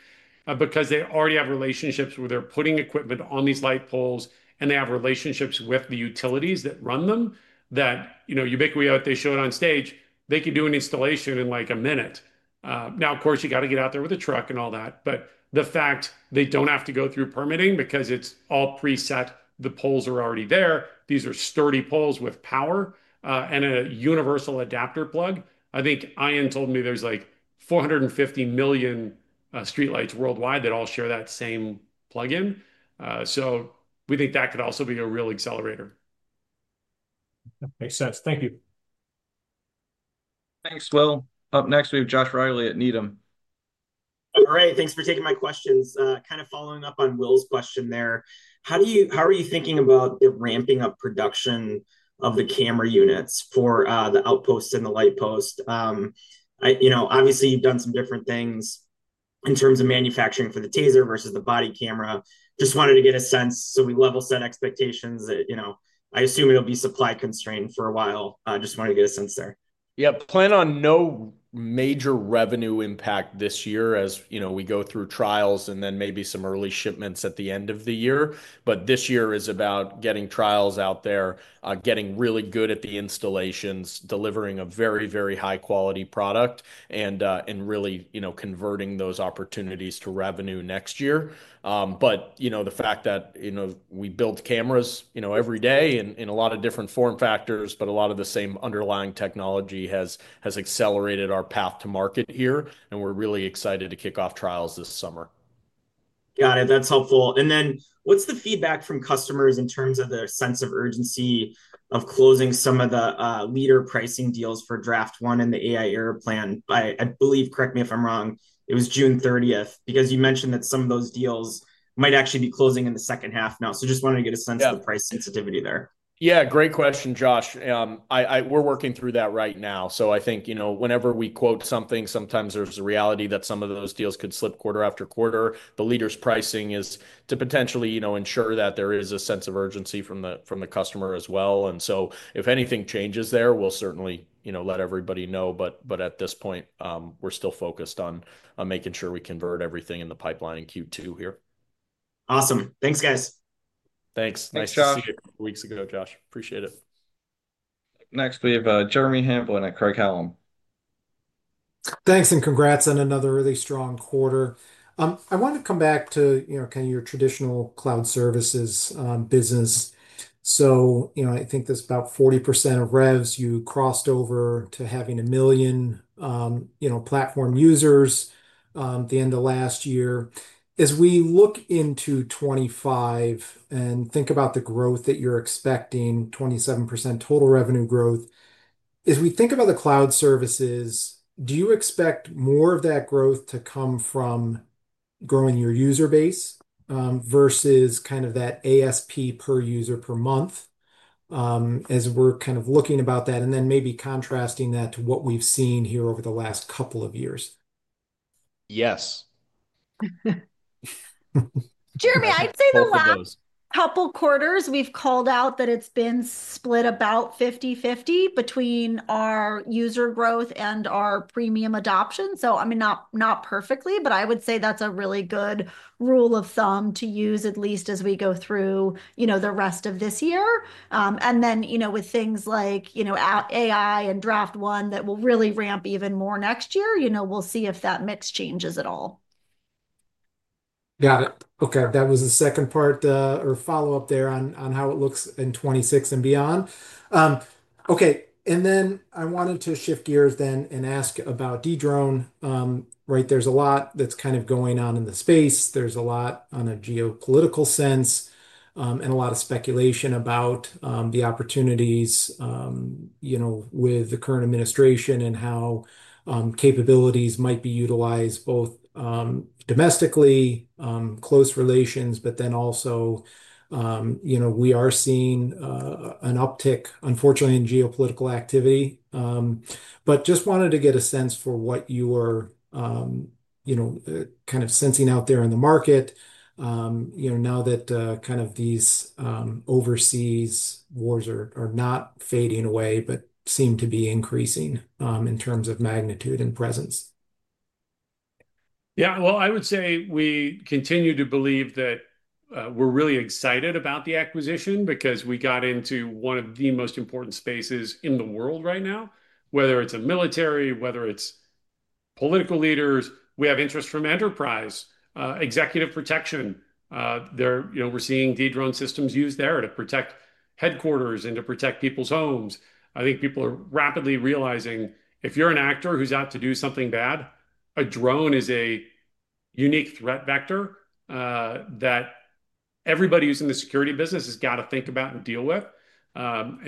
because they already have relationships where they're putting equipment on these light poles, and they have relationships with the utilities that run them. That Ubiqua, they showed on stage, they could do an installation in like a minute. Now, of course, you got to get out there with a truck and all that. The fact they do not have to go through permitting because it's all preset, the poles are already there. These are sturdy poles with power and a universal adapter plug. I think Ian told me there's like 450 million streetlights worldwide that all share that same plug-in. We think that could also be a real accelerator. Makes sense. Thank you. Thanks, Will. Up next, we have Joshua Reilly at Needham. All right. Thanks for taking my questions. Kind of following up on Will's question there. How are you thinking about the ramping up production of the camera units for the Outpost and the Lightpost? Obviously, you've done some different things in terms of manufacturing for the TASER versus the body camera. Just wanted to get a sense so we level set expectations that I assume it'll be supply constrained for a while. Just wanted to get a sense there. Yeah. Plan on no major revenue impact this year as we go through trials and then maybe some early shipments at the end of the year. This year is about getting trials out there, getting really good at the installations, delivering a very, very high-quality product, and really converting those opportunities to revenue next year. The fact that we build cameras every day in a lot of different form factors, but a lot of the same underlying technology has accelerated our path to market here. We're really excited to kick off trials this summer. Got it. That's helpful. What's the feedback from customers in terms of their sense of urgency of closing some of the leader pricing deals for Draft One and the AI Era Plan? I believe, correct me if I'm wrong, it was June 30 because you mentioned that some of those deals might actually be closing in the second half now. Just wanted to get a sense of the price sensitivity there. Yeah. Great question, Josh. We're working through that right now. I think whenever we quote something, sometimes there's a reality that some of those deals could slip quarter after quarter. The leader's pricing is to potentially ensure that there is a sense of urgency from the customer as well. If anything changes there, we'll certainly let everybody know. At this point, we're still focused on making sure we convert everything in the pipeline in Q2 here. Awesome. Thanks, guys. Thanks. Nice to see you a couple of weeks ago, Josh. Appreciate it. Next, we have Jeremy Hamblin at Craig-Hallum. Thanks and congrats on another really strong quarter. I want to come back to kind of your traditional cloud services business. I think there's about 40% of revs. You crossed over to having a million platform users at the end of last year. As we look into '25 and think about the growth that you're expecting, 27% total revenue growth, as we think about the cloud services, do you expect more of that growth to come from growing your user base versus kind of that ASP per user per month as we're kind of looking about that and then maybe contrasting that to what we've seen here over the last couple of years? Yes. Jeremy, I'd say the last couple of quarters, we've called out that it's been split about 50-50 between our user growth and our premium adoption. I mean, not perfectly, but I would say that's a really good rule of thumb to use, at least as we go through the rest of this year. Then with things like AI and Draft One that will really ramp even more next year, we'll see if that mix changes at all. Got it. Okay. That was the second part or follow-up there on how it looks in '26 and beyond. Okay. I wanted to shift gears then and ask about Dedrone. Right? There is a lot that is kind of going on in the space. There is a lot on a geopolitical sense and a lot of speculation about the opportunities with the current administration and how capabilities might be utilized both domestically, close relations, but then also we are seeing an uptick, unfortunately, in geopolitical activity. I just wanted to get a sense for what you were kind of sensing out there in the market now that kind of these overseas wars are not fading away, but seem to be increasing in terms of magnitude and presence. Yeah. I would say we continue to believe that we're really excited about the acquisition because we got into one of the most important spaces in the world right now, whether it's military, whether it's political leaders. We have interest from enterprise, executive protection. We're seeing Dedrone systems used there to protect headquarters and to protect people's homes. I think people are rapidly realizing if you're an actor who's out to do something bad, a drone is a unique threat vector that everybody who's in the security business has got to think about and deal with. Now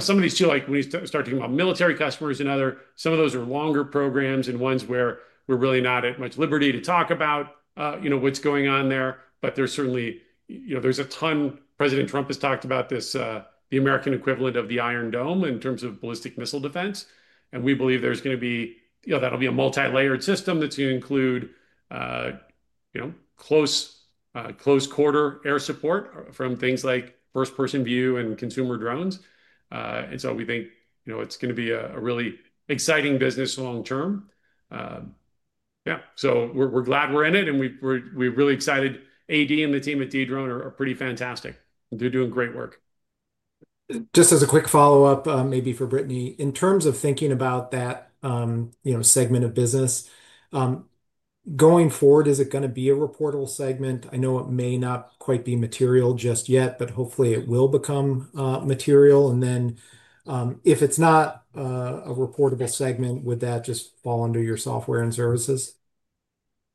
some of these too, like when you start talking about military customers and other, some of those are longer programs and ones where we're really not at much liberty to talk about what's going on there. There's certainly a ton. President Trump has talked about this, the American equivalent of the Iron Dome in terms of ballistic missile defense. We believe that's going to be a multi-layered system that's going to include close-quarter air support from things like first-person view and consumer drones. We think it's going to be a really exciting business long-term. Yeah. We're glad we're in it, and we're really excited. AD and the team at Dedrone are pretty fantastic. They're doing great work. Just as a quick follow-up, maybe for Brittany, in terms of thinking about that segment of business, going forward, is it going to be a reportable segment? I know it may not quite be material just yet, but hopefully, it will become material. If it's not a reportable segment, would that just fall under your software and services?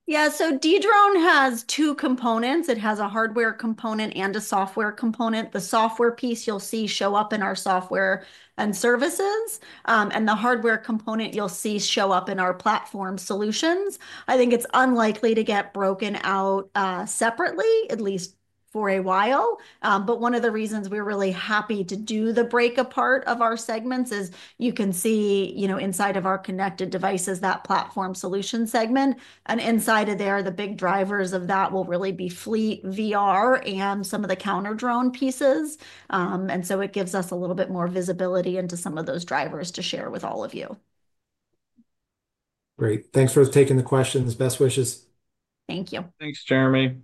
Yeah. Dedrone has two components. It has a hardware component and a software component. The software piece you'll see show up in our software and services, and the hardware component you'll see show up in our platform solutions. I think it's unlikely to get broken out separately, at least for a while. One of the reasons we're really happy to do the break apart of our segments is you can see inside of our connected devices, that platform solution segment. Inside of there, the big drivers of that will really be fleet, VR, and some of the counter-drone pieces. It gives us a little bit more visibility into some of those drivers to share with all of you. Great. Thanks for taking the questions. Best wishes. Thank you. Thanks, Jeremy.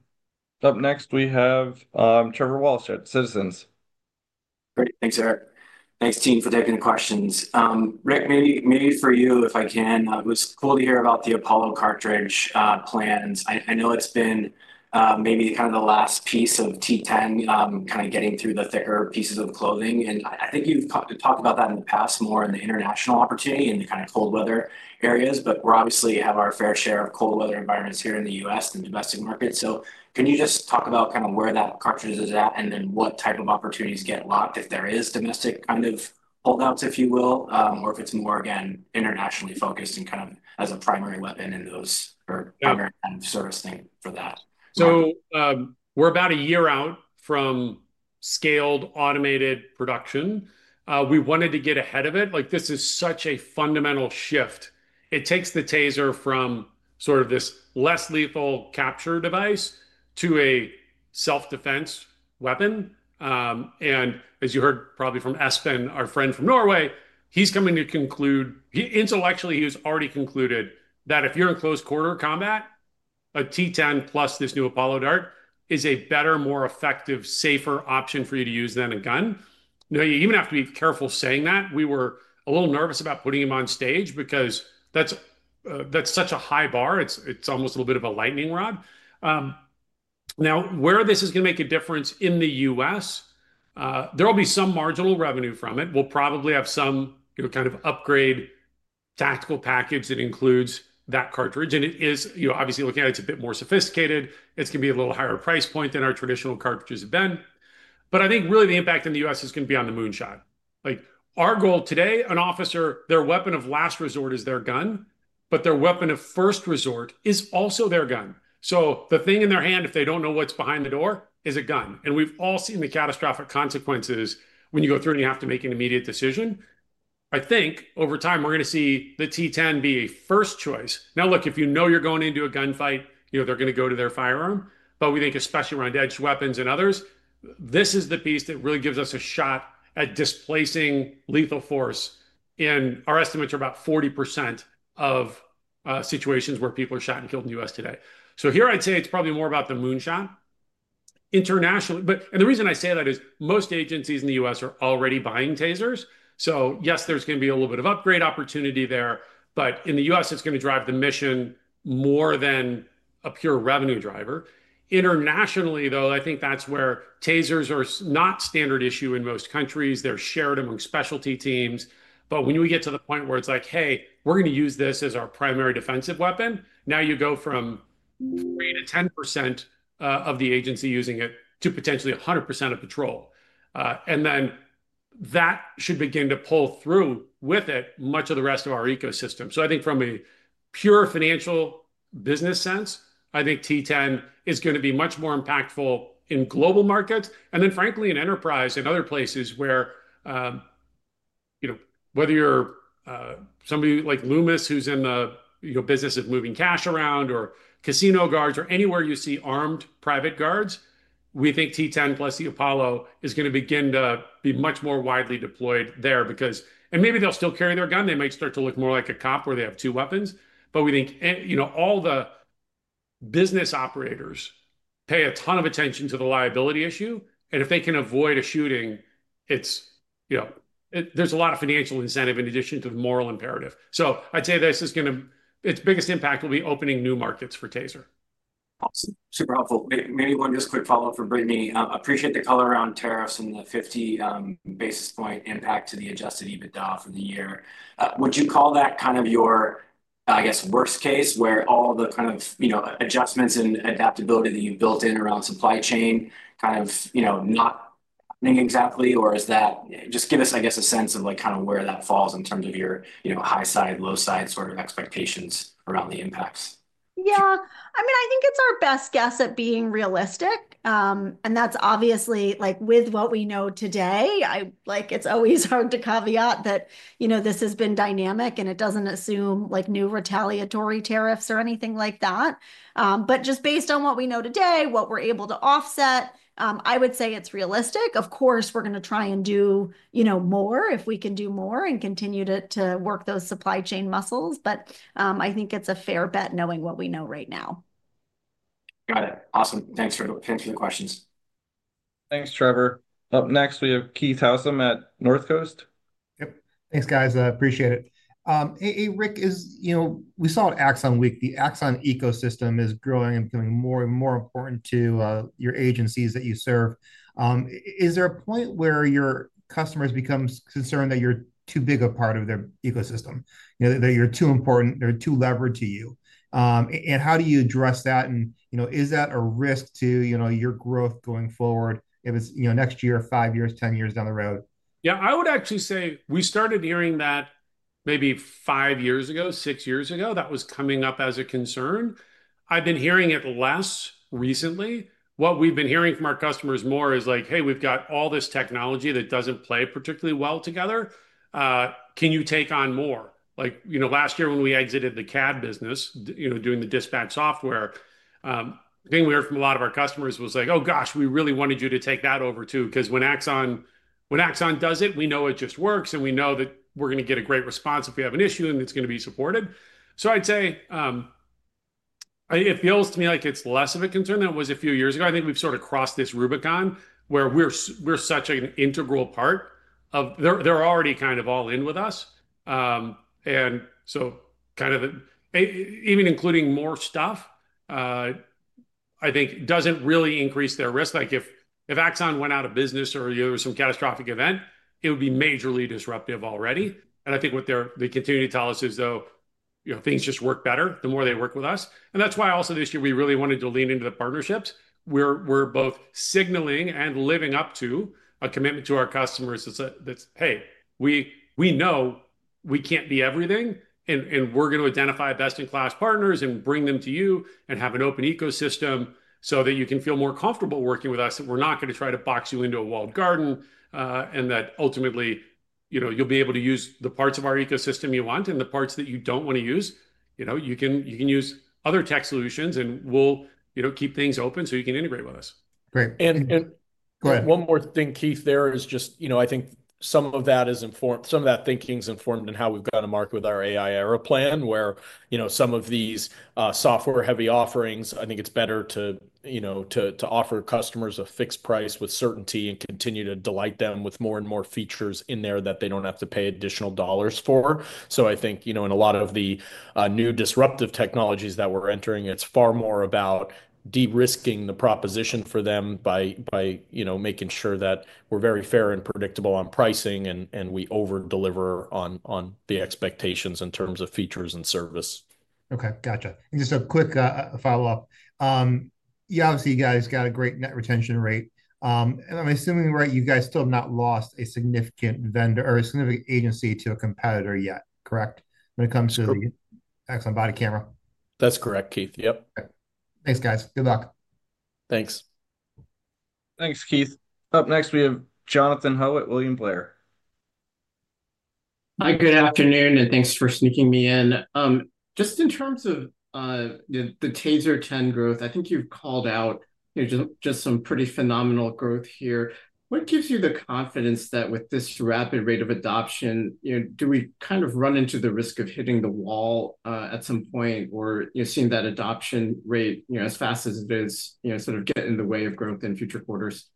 Up next, we have Trevor Walsh at Citizens. Great. Thanks, Erik. Thanks, Team, for taking the questions. Rick, maybe for you, if I can, it was cool to hear about the Apollo Cartridge plans. I know it's been maybe kind of the last piece of T-10 kind of getting through the thicker pieces of clothing. I think you've talked about that in the past more in the international opportunity and the kind of cold weather areas. We obviously have our fair share of cold weather environments here in the U.S. and domestic markets. Can you just talk about kind of where that cartridge is at and then what type of opportunities get locked if there is domestic kind of holdouts, if you will, or if it's more, again, internationally focused and kind of as a primary weapon in those or primary kind of servicing for that? We're about a year out from scaled automated production. We wanted to get ahead of it. This is such a fundamental shift. It takes the TASER from sort of this less lethal capture device to a self-defense weapon. As you heard probably from Espen, our friend from Norway, he's coming to conclude intellectually, he was already concluded that if you're in close-quarter combat, a T-10 plus this new Apollo e is a better, more effective, safer option for you to use than a gun. Now, you even have to be careful saying that. We were a little nervous about putting him on stage because that's such a high bar. It's almost a little bit of a lightning rod. Where this is going to make a difference in the U.S., there will be some marginal revenue from it. We'll probably have some kind of upgrade tactical package that includes that cartridge. It is obviously looking at it, it's a bit more sophisticated. It's going to be a little higher price point than our traditional cartridges have been. I think really the impact in the U.S. is going to be on the moonshot. Our goal today, an officer, their weapon of last resort is their gun, but their weapon of first resort is also their gun. The thing in their hand, if they don't know what's behind the door, is a gun. We've all seen the catastrophic consequences when you go through and you have to make an immediate decision. I think over time, we're going to see the T-10 be a first choice. Now, look, if you know you're going into a gunfight, they're going to go to their firearm. We think especially around edge weapons and others, this is the piece that really gives us a shot at displacing lethal force. Our estimates are about 40% of situations where people are shot and killed in the U.S. today. Here, I'd say it's probably more about the moonshot internationally. The reason I say that is most agencies in the U.S. are already buying TASERS. Yes, there's going to be a little bit of upgrade opportunity there. In the U.S., it's going to drive the mission more than a pure revenue driver. Internationally, though, I think that's where TASERS are not standard issue in most countries. They're shared among specialty teams. When we get to the point where it's like, "Hey, we're going to use this as our primary defensive weapon," now you go from 3% to 10% of the agency using it to potentially 100% of patrol. That should begin to pull through with it much of the rest of our ecosystem. I think from a pure financial business sense, I think T10 is going to be much more impactful in global markets. Frankly, in enterprise and other places where whether you're somebody like Loomis who's in the business of moving cash around or casino guards or anywhere you see armed private guards, we think T10 plus the Apollo is going to begin to be much more widely deployed there because maybe they'll still carry their gun. They might start to look more like a cop where they have two weapons. We think all the business operators pay a ton of attention to the liability issue. If they can avoid a shooting, there's a lot of financial incentive in addition to the moral imperative. I'd say this is going to its biggest impact will be opening new markets for TASER. Awesome. Super helpful. Maybe one just quick follow-up for Brittany. Appreciate the color around tariffs and the 50 basis point impact to the adjusted EBITDA for the year. Would you call that kind of your, I guess, worst case where all the kind of adjustments and adaptability that you've built in around supply chain kind of not happening exactly? Or just give us, I guess, a sense of kind of where that falls in terms of your high side, low side sort of expectations around the impacts? Yeah. I mean, I think it's our best guess at being realistic. And that's obviously with what we know today. It's always hard to caveat that this has been dynamic, and it doesn't assume new retaliatory tariffs or anything like that. But just based on what we know today, what we're able to offset, I would say it's realistic. Of course, we're going to try and do more if we can do more and continue to work those supply chain muscles. But I think it's a fair bet knowing what we know right now. Got it. Awesome. Thanks for the questions. Thanks, Trevor. Up next, we have Keith Housum at Northcoast. Yep. Thanks, guys. Appreciate it. Hey, Rick, we saw at Axon Week, the Axon ecosystem is growing and becoming more and more important to your agencies that you serve. Is there a point where your customers become concerned that you're too big a part of their ecosystem, that you're too important, they're too levered to you? How do you address that? Is that a risk to your growth going forward if it's next year, five years, ten years down the road? Yeah. I would actually say we started hearing that maybe five years ago, six years ago. That was coming up as a concern. I've been hearing it less recently. What we've been hearing from our customers more is like, "Hey, we've got all this technology that doesn't play particularly well together. Can you take on more?" Last year, when we exited the CAD business doing the dispatch software, the thing we heard from a lot of our customers was like, "Oh, gosh, we really wanted you to take that over too." Because when Axon does it, we know it just works, and we know that we're going to get a great response if we have an issue, and it's going to be supported. I'd say it feels to me like it's less of a concern than it was a few years ago. I think we've sort of crossed this Rubicon where we're such an integral part of they're already kind of all in with us. Kind of even including more stuff, I think, doesn't really increase their risk. If Axon went out of business or there was some catastrophic event, it would be majorly disruptive already. I think what they continue to tell us is, though, things just work better the more they work with us. That's why also this year we really wanted to lean into the partnerships. We're both signaling and living up to a commitment to our customers that's, "Hey, we know we can't be everything, and we're going to identify best-in-class partners and bring them to you and have an open ecosystem so that you can feel more comfortable working with us, that we're not going to try to box you into a walled garden, and that ultimately you'll be able to use the parts of our ecosystem you want and the parts that you don't want to use. You can use other tech solutions, and we'll keep things open so you can integrate with us. Great. And one more thing, Keith, there is just I think some of that is informed, some of that thinking is informed in how we've gotten to mark with our AI era plan where some of these software-heavy offerings, I think it's better to offer customers a fixed price with certainty and continue to delight them with more and more features in there that they don't have to pay additional dollars for. I think in a lot of the new disruptive technologies that we're entering, it's far more about de-risking the proposition for them by making sure that we're very fair and predictable on pricing and we overdeliver on the expectations in terms of features and service. Okay. Gotcha. And just a quick follow-up. Yeah, obviously, you guys got a great net retention rate. I'm assuming, right, you guys still have not lost a significant vendor or a significant agency to a competitor yet, correct, when it comes to the excellent body camera? That's correct, Keith. Yep. Thanks, guys. Good luck. Thanks. Thanks, Keith. Up next, we have Jonathan Ho at William Blair. Hi, good afternoon, and thanks for sneaking me in. Just in terms of the TASER 10 growth, I think you've called out just some pretty phenomenal growth here. What gives you the confidence that with this rapid rate of adoption, do we kind of run into the risk of hitting the wall at some point or seeing that adoption rate as fast as it is sort of get in the way of growth in future quarters?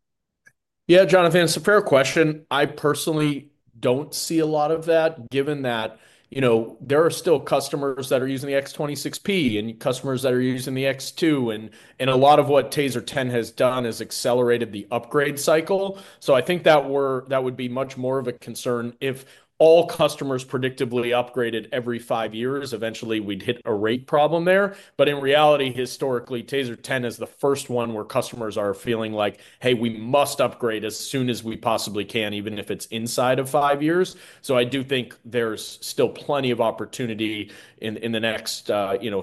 Yeah, Jonathan, it's a fair question. I personally don't see a lot of that, given that there are still customers that are using the X26P and customers that are using the X2. And a lot of what TASER 10 has done is accelerated the upgrade cycle. I think that would be much more of a concern if all customers predictably upgraded every five years. Eventually, we'd hit a rate problem there. In reality, historically, TASER 10 is the first one where customers are feeling like, "Hey, we must upgrade as soon as we possibly can, even if it's inside of five years." I do think there's still plenty of opportunity in the next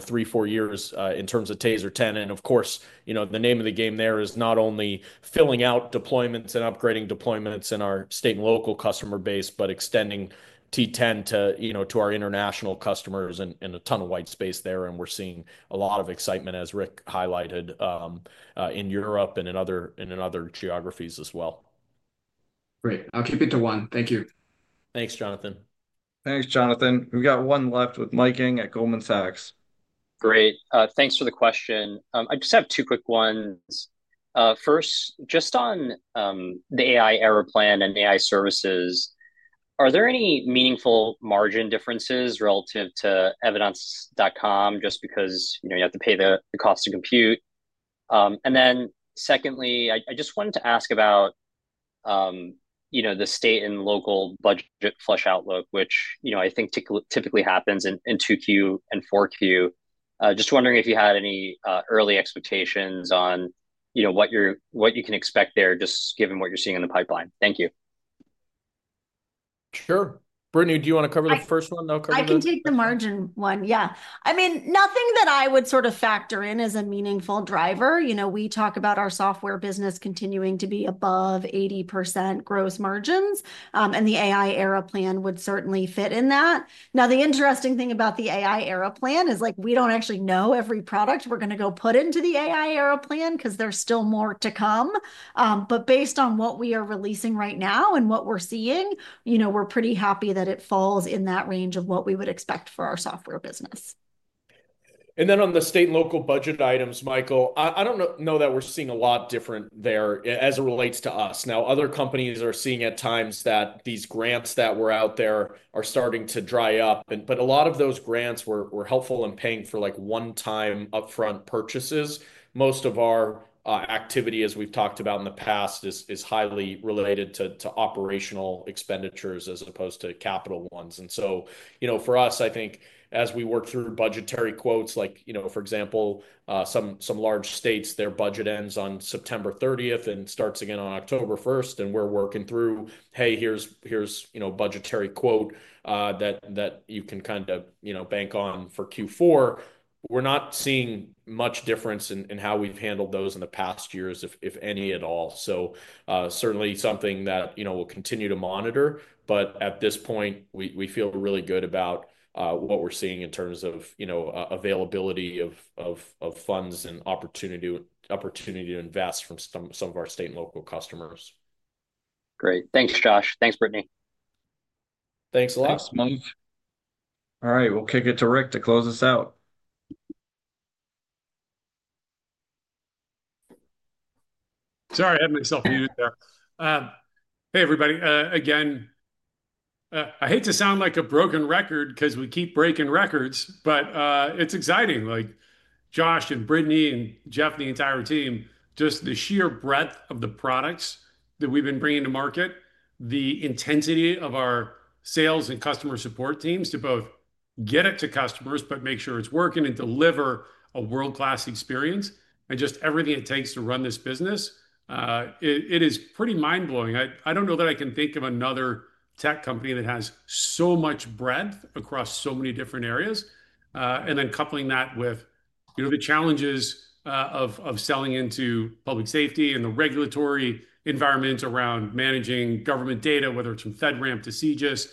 three, four years in terms of TASER 10. Of course, the name of the game there is not only filling out deployments and upgrading deployments in our state and local customer base, but extending T-10 to our international customers and a ton of white space there. We are seeing a lot of excitement, as Rick highlighted, in Europe and in other geographies as well. Great. I'll keep it to one. Thank you. Thanks, Jonathan. We've got one left with Mike Ng at Goldman Sachs. Great. Thanks for the question. I just have two quick ones. First, just on the AI Era Plan and AI services, are there any meaningful margin differences relative to Evidence.com just because you have to pay the cost to compute? Then secondly, I just wanted to ask about the state and local budget flush outlook, which I think typically happens in 2Q and 4Q. Just wondering if you had any early expectations on what you can expect there, just given what you're seeing in the pipeline. Thank you. Sure. Brittany, do you want to cover the first one? I can take the margin one. Yeah. I mean, nothing that I would sort of factor in as a meaningful driver. We talk about our software business continuing to be above 80% gross margins. The AI era plan would certainly fit in that. Now, the interesting thing about the AI era plan is we do not actually know every product we are going to go put into the AI Era Plan because there is still more to come. Based on what we are releasing right now and what we are seeing, we are pretty happy that it falls in that range of what we would expect for our software business. On the state and local budget items, Michael, I do not know that we are seeing a lot different there as it relates to us. Other companies are seeing at times that these grants that were out there are starting to dry up. A lot of those grants were helpful in paying for one-time upfront purchases. Most of our activity, as we have talked about in the past, is highly related to operational expenditures as opposed to capital ones. For us, I think as we work through budgetary quotes, for example, some large states, their budget ends on September 30 and starts again on October 1. We are working through, "Hey, here is a budgetary quote that you can kind of bank on for Q4." We are not seeing much difference in how we have handled those in the past years, if any at all. Certainly something that we'll continue to monitor. At this point, we feel really good about what we're seeing in terms of availability of funds and opportunity to invest from some of our state and local customers. Great. Thanks, Josh. Thanks, Brittany. Thanks a lot. Thanks, Mike. All right. We'll kick it to Rick to close this out. Sorry, I had myself muted there. Hey, everybody. Again, I hate to sound like a broken record because we keep breaking records, but it's exciting. Josh and Brittany and Jeff, the entire team, just the sheer breadth of the products that we've been bringing to market, the intensity of our sales and customer support teams to both get it to customers, but make sure it's working and deliver a world-class experience, and just everything it takes to run this business, it is pretty mind-blowing. I don't know that I can think of another tech company that has so much breadth across so many different areas. Then coupling that with the challenges of selling into public safety and the regulatory environment around managing government data, whether it's from FedRAMP to CJIS.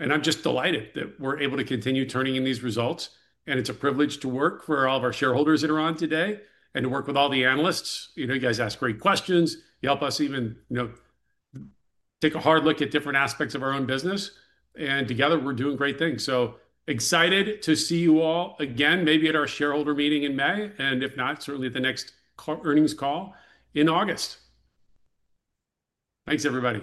I'm just delighted that we're able to continue turning in these results. It's a privilege to work for all of our shareholders that are on today and to work with all the analysts. You guys ask great questions. You help us even take a hard look at different aspects of our own business. Together, we're doing great things. Excited to see you all again, maybe at our shareholder meeting in May. If not, certainly at the next earnings call in August. Thanks, everybody.